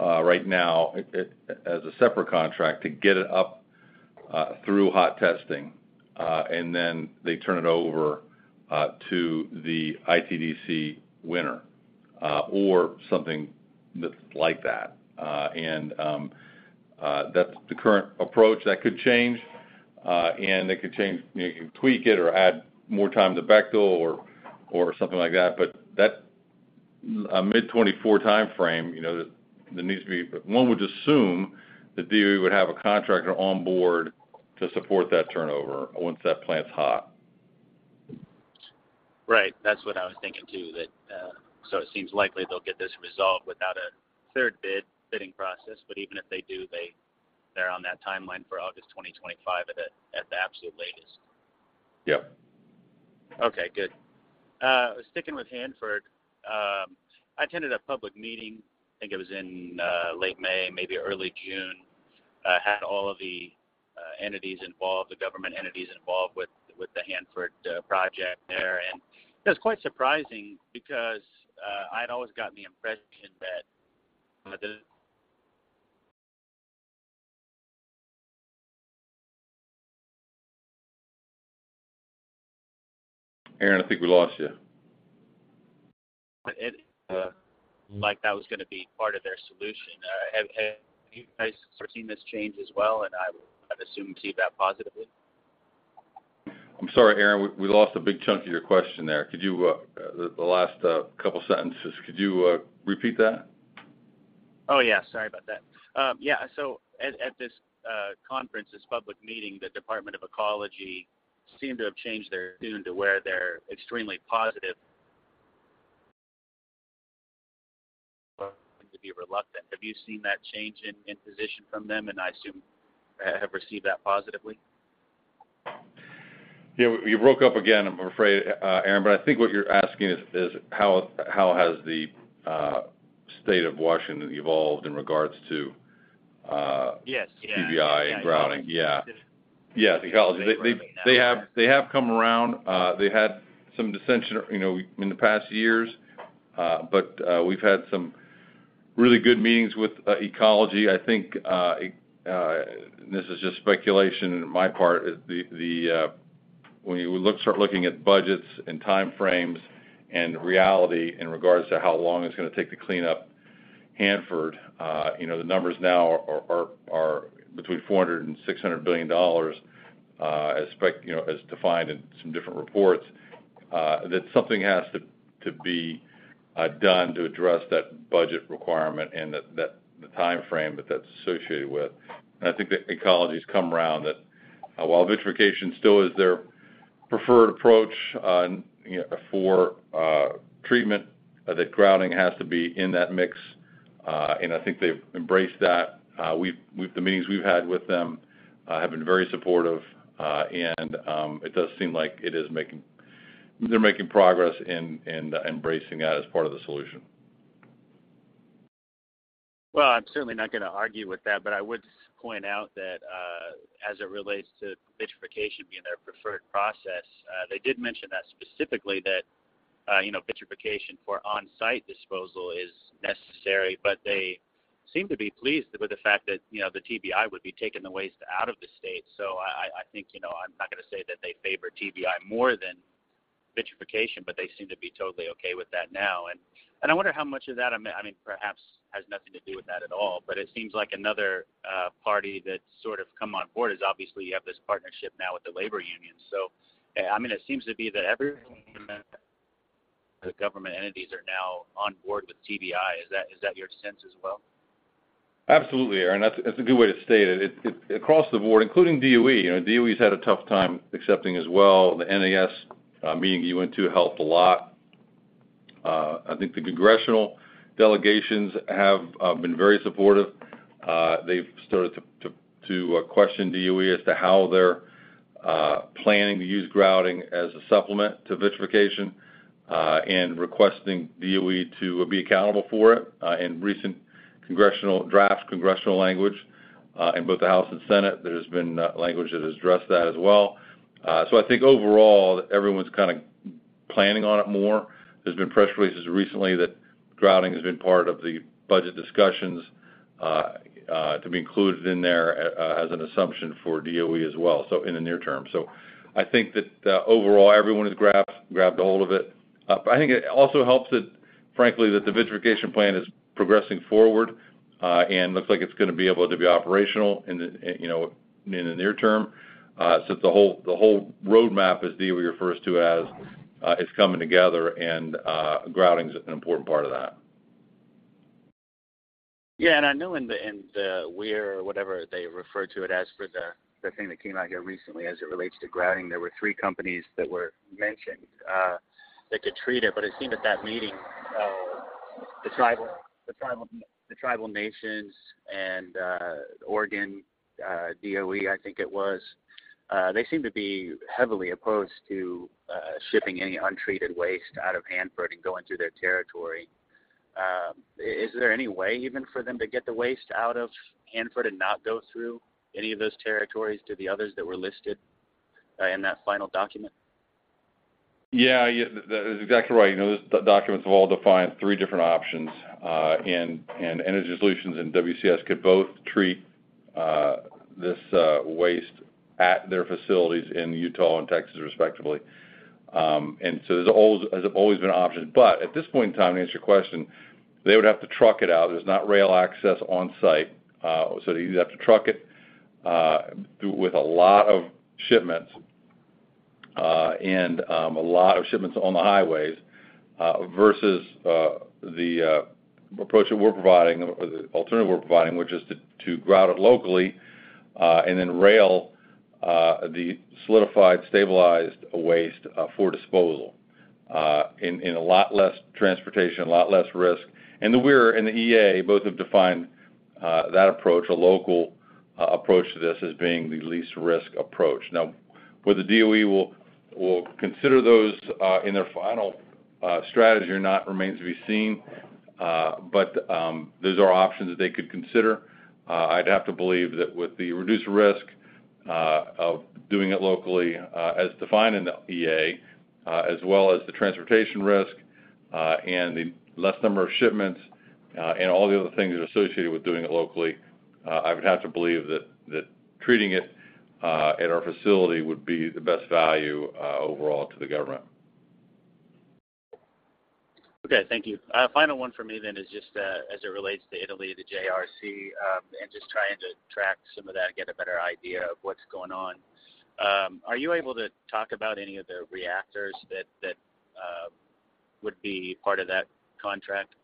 right now, it as a separate contract, to get it up through hot testing, and then they turn it over to the ITDC winner or something that's like that. That's the current approach. That could change, and it could change, you know, you can tweak it or add more time to Bechtel or something like that. That a mid-2024 timeframe, you know, there needs to be, one would assume, the DOE would have a contractor on board to support that turnover once that plant's hot. Right. That's what I was thinking too, that. It seems likely they'll get this resolved without a third bid, bidding process, but even if they do, they're on that timeline for August 2025 at the absolute latest. Yep. Okay, good. Sticking with Hanford, I attended a public meeting, I think it was in late May, maybe early June. Had all of the entities involved, the government entities involved with, with the Hanford project there. It was quite surprising because, I'd always gotten the impression that, the- Aaron, I think we lost you. Like that was going to be part of their solution. Have you guys seen this change as well? I would assume see that positively. I'm sorry, Aaron, we, we lost a big chunk of your question there. Could you, the, the last, couple sentences, could you, repeat that? Oh, yeah. Sorry about that. yeah, at, at this, conference, this public meeting, the Department of Ecology seemed to have changed their tune to where they're extremely positive To be reluctant. Have you seen that change in, in position from them? I assume, have received that positively. Yeah, you broke up again, I'm afraid, Aaron, but I think what you're asking is how, how has the State of Washington evolved in regards to yes, TBI and grouting. Yeah. Ecology, they have come around. They had some dissension, you know, in the past years. We've had some really good meetings with Ecology. I think this is just speculation on my part. Start looking at budgets and time frames and reality in regards to how long it's gonna take to clean up Hanford, you know, the numbers now are between $400 billion-$600 billion, you know, as defined in some different reports. That something has to, to be done to address that budget requirement and the time frame that that's associated with. I think that Ecology's come around that, while vitrification still is their preferred approach, you know, for treatment, that grouting has to be in that mix. I think they've embraced that. The meetings we've had with them have been very supportive, and it does seem like they're making progress in embracing that as part of the solution. I'm certainly not gonna argue with that, but I would point out that, as it relates to vitrification being their preferred process, they did mention that specifically that, you know, vitrification for on-site disposal is necessary. They seem to be pleased with the fact that, you know, the TBI would be taking the waste out of the state. I, I think, you know, I'm not gonna say that they favor TBI more than vitrification, but they seem to be totally okay with that now. I wonder how much of that, I mean, I mean, perhaps has nothing to do with that at all, but it seems like another party that's sort of come on board is obviously you have this partnership now with the labor union. I mean, it seems to be that everyone in the government entities are now on board with TBI. Is that, is that your sense as well? Absolutely, Aaron, that's a good way to state it. Across the board, including DOE, you know, DOE's had a tough time accepting as well. The NAS meeting you went to helped a lot. I think the congressional delegations have been very supportive. They've started to question DOE as to how they're planning to use grouting as a supplement to vitrification and requesting DOE to be accountable for it. In recent congressional draft, congressional language in both the House and Senate, there has been language that has addressed that as well. I think overall, everyone's kind of planning on it more. There's been press releases recently that grouting has been part of the budget discussions to be included in there as an assumption for DOE as well, so in the near term. I think that overall, everyone has grabbed, grabbed a hold of it. I think it also helps that, frankly, that the vitrification plan is progressing forward and looks like it's gonna be able to be operational in the, you know, in the near term. The whole, the whole roadmap, as DOE refers to as, is coming together, and grouting is an important part of that. I know in the WIR or whatever they refer to it as, for the thing that came out here recently as it relates to grouting, there were 3 companies that were mentioned, that could treat it. It seemed at that meeting, the tribal nations and, Oregon, DOE, I think it was, they seem to be heavily opposed to shipping any untreated waste out of Hanford and going through their territory. Is there any way even for them to get the waste out of Hanford and not go through any of those territories to the others that were listed, in that final document? Yeah, yeah, that is exactly right. You know, those documents have all defined 3 different options, and EnergySolutions and WCS could both treat this waste at their facilities in Utah and Texas, respectively. There's has always been options. At this point in time, to answer your question, they would have to truck it out. There's not rail access on site, so you'd have to truck it, do with a lot of shipments, and a lot of shipments on the highways, versus the approach that we're providing, or the alternative we're providing, which is to grout it locally, and then rail the solidified, stabilized waste for disposal, in a lot less transportation, a lot less risk. The WIR and the EA both have defined that approach, a local approach to this as being the least risk approach. Now, whether DOE will consider those in their final strategy or not, remains to be seen, but those are options that they could consider. I'd have to believe that with the reduced risk of doing it locally, as defined in the EA, as well as the transportation risk, and the less number of shipments, and all the other things associated with doing it locally, I would have to believe that, that treating it at our facility would be the best value overall to the government. Okay, thank you. Final one for me then is just, as it relates to Italy, the JRC, and just trying to track some of that and get a better idea of what's going on. Are you able to talk about any of the reactors that, that, would be part of that contract?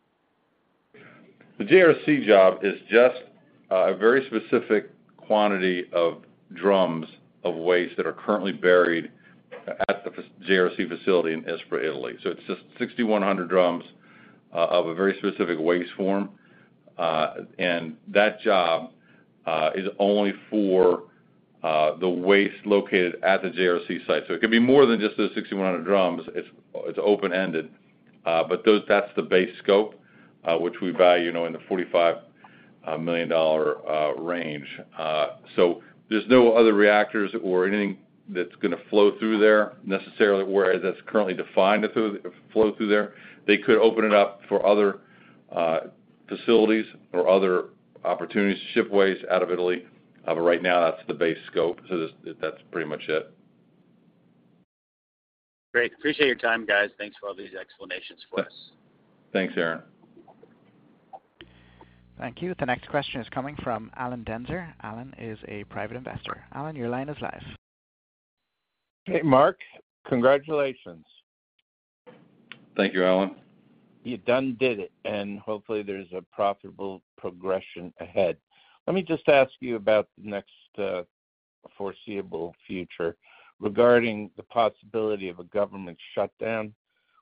The JRC job is just a very specific quantity of drums of waste that are currently buried at the JRC facility in Ispra, Italy. It's just 6,100 drums of a very specific waste form. That job is only for the waste located at the JRC site. It could be more than just the 6,100 drums. It's, it's open-ended, that's the base scope, which we value, you know, in the $45 million range. There's no other reactors or anything that's gonna flow through there necessarily, whereas that's currently defined to flow through there. They could open it up for other facilities or other opportunities to ship waste out of Italy. Right now, that's the base scope, that's pretty much it. Great! Appreciate your time, guys. Thanks for all these explanations for us. Thanks, Aaron. Thank you. The next question is coming from Alan Denzer. Alan is a private investor. Alan, your line is live. Hey, Mark. Congratulations. Thank you, Alan. You done did it. Hopefully, there's a profitable progression ahead. Let me just ask you about the next foreseeable future regarding the possibility of a government shutdown,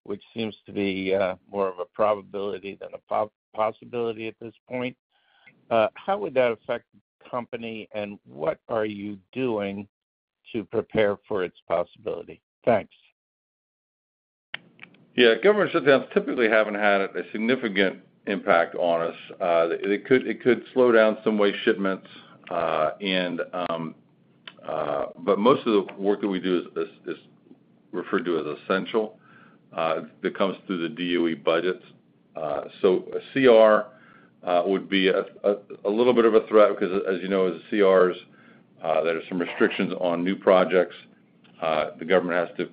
which seems to be more of a probability than a possibility at this point. How would that affect the company, and what are you doing to prepare for its possibility? Thanks. Yeah, government shutdowns typically haven't had a significant impact on us. It could, it could slow down some way shipments, and most of the work that we do is, is, is referred to as essential, that comes through the DOE budgets. A CR would be a little bit of a threat because, as you know, as CRs, there are some restrictions on new projects. The government has to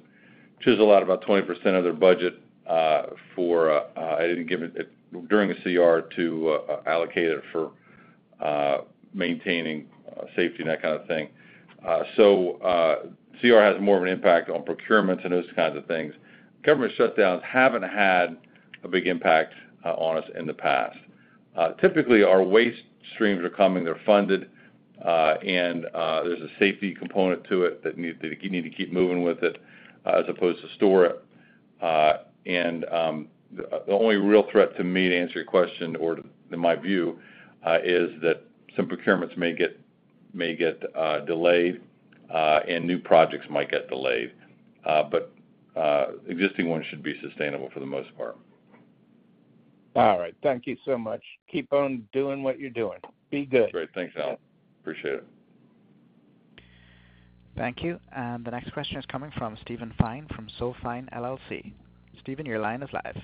chisel out about 20% of their budget for During the CR to allocate it for maintaining safety and that kind of thing. CR has more of an impact on procurements and those kinds of things. Government shutdowns haven't had a big impact on us in the past. Typically, our waste streams are coming, they're funded, and there's a safety component to it that need to, you need to keep moving with it, as opposed to store it. The only real threat to me, to answer your question, or to my view, is that some procurements may get, may get delayed, and new projects might get delayed. Existing ones should be sustainable for the most part. All right. Thank you so much. Keep on doing what you're doing. Be good. Great. Thanks, Alan. Appreciate it. Thank you. The next question is coming from Steven Fine, from SoFine LLC. Steven, your line is live.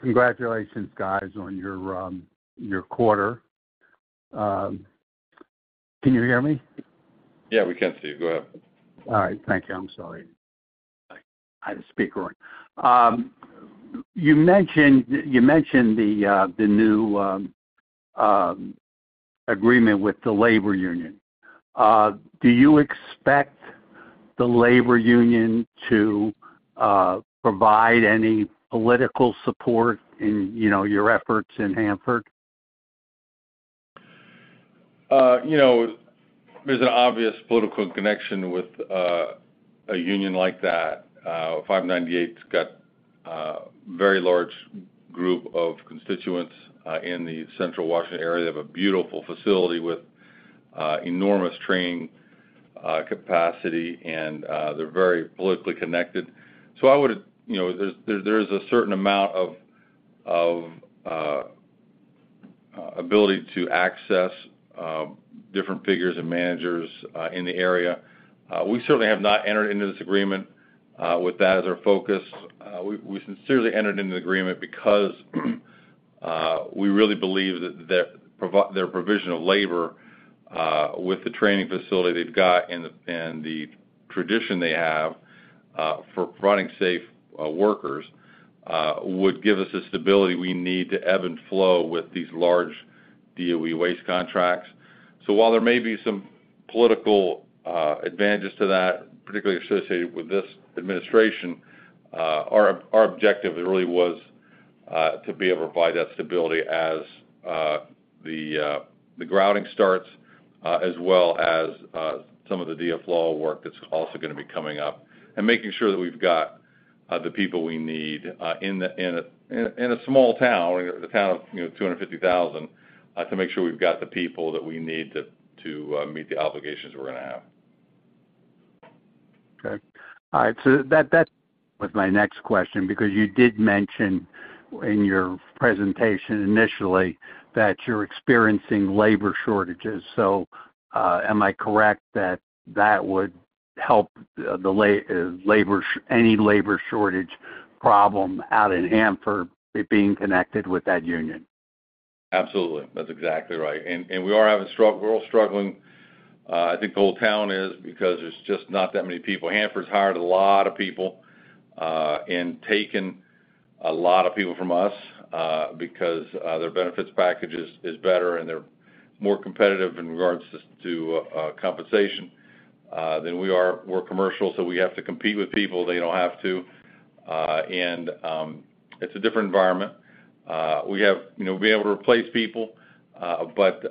Congratulations, guys, on your, your quarter. Can you hear me? Yeah, we can see you. Go ahead. All right. Thank you. I'm sorry. I had to speak on. You mentioned, you mentioned the, the new agreement with the labor union. Do you expect the labor union to provide any political support in, you know, your efforts in Hanford? You know, there's an obvious political connection with a union like that. Local 598's got a very large group of constituents in the Central Washington area. They have a beautiful facility with enormous training capacity, and they're very politically connected. I would, you know, there, there is a certain amount of, of ability to access different figures and managers in the area. We certainly have not entered into this agreement with that as our focus. We, we sincerely entered into the agreement because we really believe that, that their provision of labor with the training facility they've got and the, and the tradition they have for providing safe workers would give us the stability we need to ebb and flow with these large DOE waste contracts. While there may be some political advantages to that, particularly associated with this administration, our, our objective really was to be able to provide that stability as the grouting starts, as well as some of the DFLAW work that's also gonna be coming up, and making sure that we've got the people we need in a small town, the town of, you know, 250,000 to make sure we've got the people that we need to, to meet the obligations we're gonna have. Okay. All right, that, that was my next question, because you did mention in your presentation initially that you're experiencing labor shortages. Am I correct that that would help the labor, any labor shortage problem out in Hanford, being connected with that union? Absolutely. That's exactly right. We are having struggle-- we're all struggling. I think the whole town is because there's just not that many people. Hanford's hired a lot of people, and taken a lot of people from us, because their benefits packages is better, and they're more competitive in regards to compensation than we are. We're commercial, so we have to compete with people. They don't have to, and it's a different environment. We have, you know, be able to replace people, but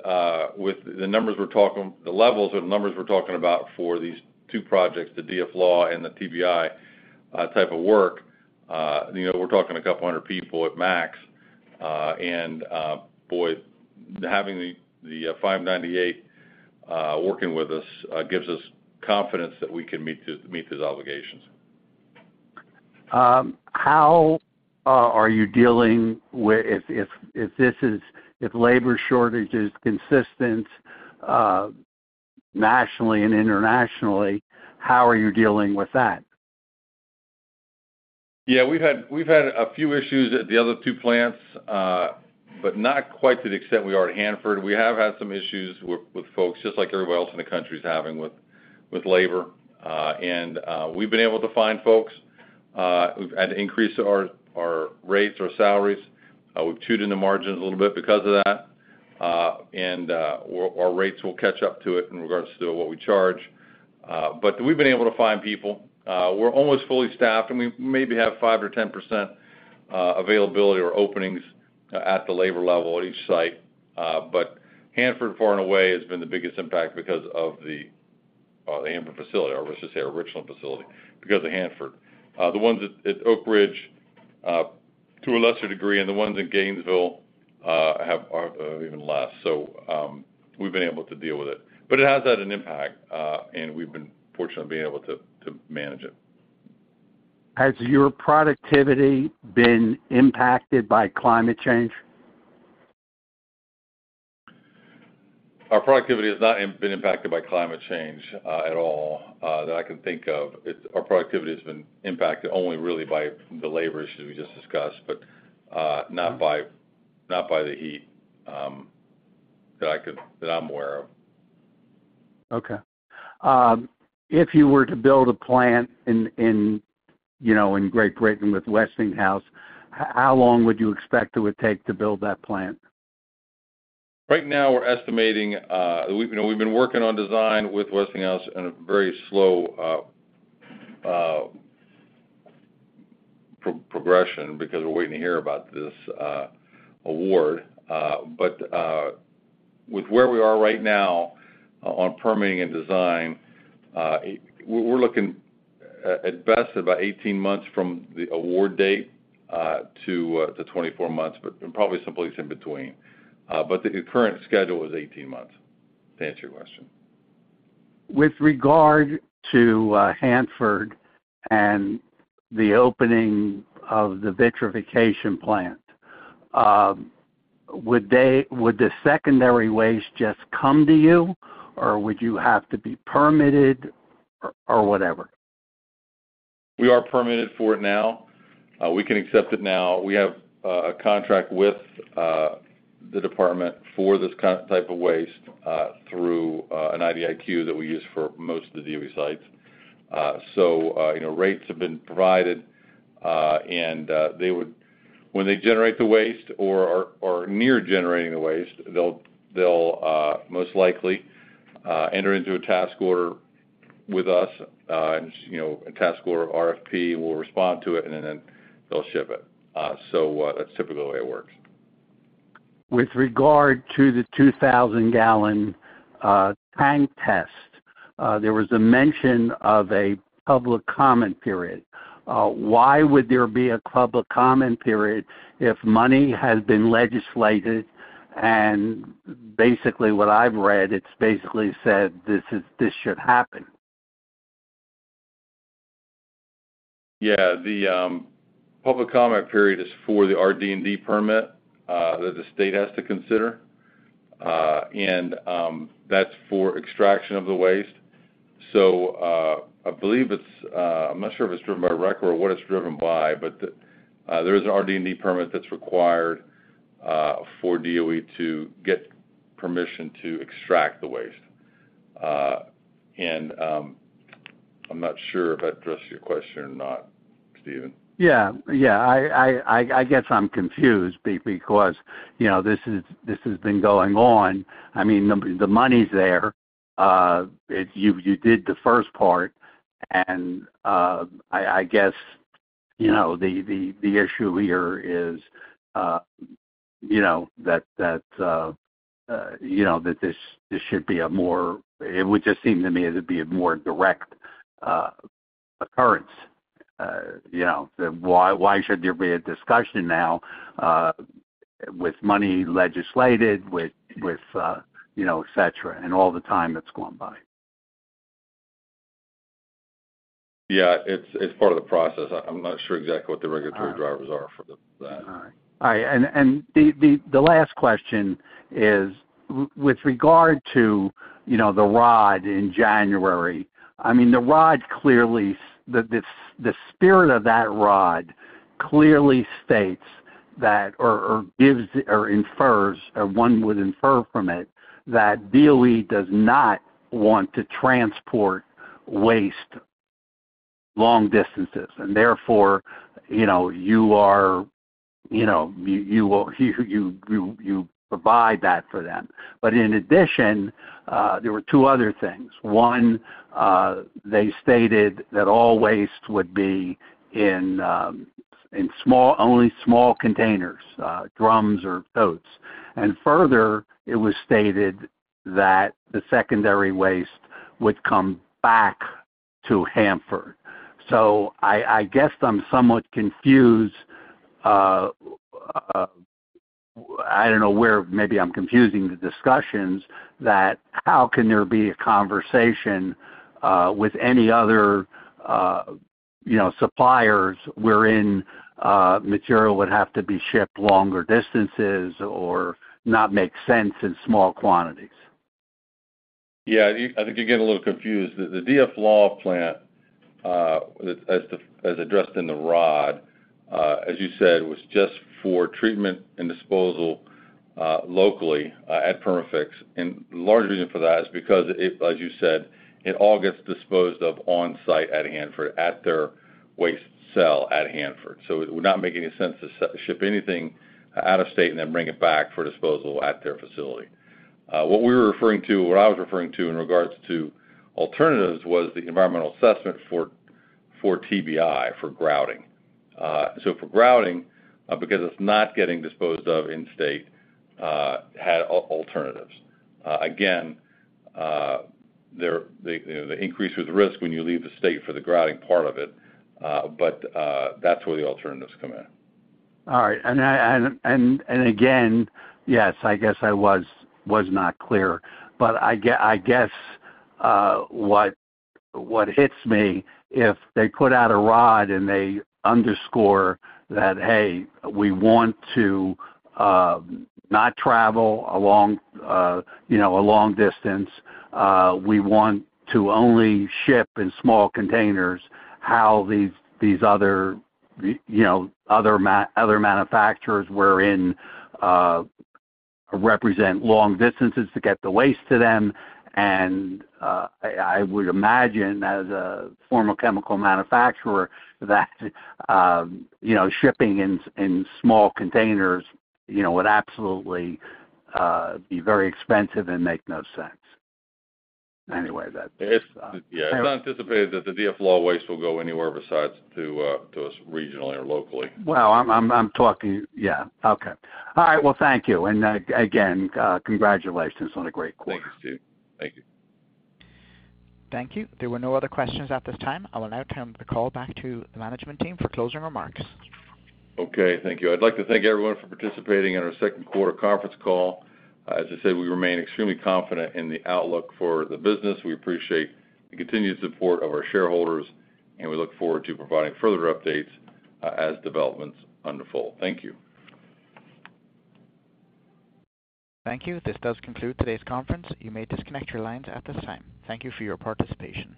with the numbers we're talking-- the levels and numbers we're talking about for these two projects, the DFLAW and the TBI, type of work... you know, we're talking a couple hundred people at max. Boy, having the, the, Local 598 working with us, gives us confidence that we can meet these, meet these obligations. How are you dealing with if, if, if this is, if labor shortage is consistent, nationally and internationally, how are you dealing with that? We've had, we've had a few issues at the other 2 plants, but not quite to the extent we are at Hanford. We have had some issues with, with folks, just like everyone else in the country is having with, with labor. We've been able to find folks. We've had to increase our, our rates, our salaries. We've chewed in the margins a little bit because of that. Our, our rates will catch up to it in regards to what we charge. We've been able to find people. We're almost fully staffed, and we maybe have 5 or 10% availability or openings at the labor level at each site. Hanford, far and away, has been the biggest impact because of the, the Hanford facility, or let's just say our Richland facility, because of Hanford. The ones at, at Oak Ridge, to a lesser degree, and the ones in Gainesville, have, are, even less. We've been able to deal with it, but it has had an impact, and we've been fortunate being able to, to manage it. Has your productivity been impacted by climate change? Our productivity has not been impacted by climate change at all that I can think of. Our productivity has been impacted only really by the labor issues we just discussed, but not by, not by the heat that I'm aware of. Okay. If you were to build a plant in, in, you know, in Great Britain with Westinghouse, how long would you expect it would take to build that plant? Right now, we're estimating, you know, we've been working on design with Westinghouse in a very slow, progression because we're waiting to hear about this, award. With where we are right now on permitting and design, we're, we're looking at, at best, about 18 months from the award date, to, to 24 months, but probably some place in between. The current schedule is 18 months, to answer your question. With regard to Hanford and the opening of the vitrification plant, would the secondary waste just come to you, or would you have to be permitted or, or whatever? We are permitted for it now. We can accept it now. We have a contract with the department for this kind of type of waste through an IDIQ that we use for most of the DOE sites. you know, rates have been provided, and when they generate the waste or are near generating the waste, they'll most likely enter into a task order with us. you know, a task order or RFP, we'll respond to it, and then they'll ship it. that's typically the way it works. With regard to the 2,000-gallon tank test, there was a mention of a public comment period. Why would there be a public comment period if money has been legislated? Basically, what I've read, it's basically said, this should happen. Yeah. The public comment period is for the RD&D permit that the State has to consider. That's for extraction of the waste. I believe it's, I'm not sure if it's driven by REC or what it's driven by, but there is an RD&D permit that's required for DOE to get permission to extract the waste. I'm not sure if I've addressed your question or not, Steven. Yeah. Yeah, I, guess I'm confused because, you know, this is, this has been going on. I mean, the, the money's there. It... You, you did the first part, and I, I guess, you know, the, the, the issue here is, you know, that, that, you know, that this, this should be a more, it would just seem to me it would be a more direct occurrence. You know, why, why should there be a discussion now, with money legislated, with, with, you know, et cetera, and all the time that's gone by? Yeah, it's, it's part of the process. I, I'm not sure exactly what the regulatory drivers are for the that. All right. All right, the, the, the last question is with regard to, you know, the ROD in January. I mean, the ROD clearly... The, the, the spirit of that ROD clearly states that, or, or gives, or infers, or one would infer from it, that DOE does not want to transport waste long distances, and therefore, you know, you are, you know, you, you, you, you, you provide that for them. In addition, there were two other things. One, they stated that all waste would be in, only small containers, drums or totes. Further, it was stated that the secondary waste-... would come back to Hanford. I, I guess I'm somewhat confused, I don't know where maybe I'm confusing the discussions, that how can there be a conversation with any other, you know, suppliers wherein, material would have to be shipped longer distances or not make sense in small quantities? Yeah, I think you're getting a little confused. The, the DFLAW plant, as, as addressed in the ROD, as you said, was just for treatment and disposal, locally, at Perma-Fix. The large reason for that is because it, as you said, it all gets disposed of on-site at Hanford, at their waste cell at Hanford. It would not make any sense to ship anything out of state and then bring it back for disposal at their facility. What we were referring to, what I was referring to in regards to alternatives, was the environmental assessment for, for TBI, for grouting. For grouting, because it's not getting disposed of in state, had alternatives. Again, there, the, you know, the increase with the risk when you leave the state for the grouting part of it, but, that's where the alternatives come in. All right. I, and, and, and again, yes, I guess I was, was not clear. I guess, what, what hits me, if they put out a ROD and they underscore that, "Hey, we want to not travel along, you know, a long distance, we want to only ship in small containers," how these, these other, you know, other manufacturers wherein, represent long distances to get the waste to them, I, I would imagine as a former chemical manufacturer, that, you know, shipping in, in small containers, you know, would absolutely be very expensive and make no sense. Anyway, that. It's, yeah. It's not anticipated that the DFLAW waste will go anywhere besides to, to us regionally or locally. Well. Yeah. Okay. All right. Well, thank you. Again, congratulations on a great quarter. Thank you, Steve. Thank you. Thank you. There were no other questions at this time. I'll now turn the call back to the management team for closing remarks. Okay. Thank you. I'd like to thank everyone for participating in our second quarter conference call. As I said, we remain extremely confident in the outlook for the business. We appreciate the continued support of our shareholders, and we look forward to providing further updates as developments unfold. Thank you. Thank you. This does conclude today's conference. You may disconnect your lines at this time. Thank you for your participation.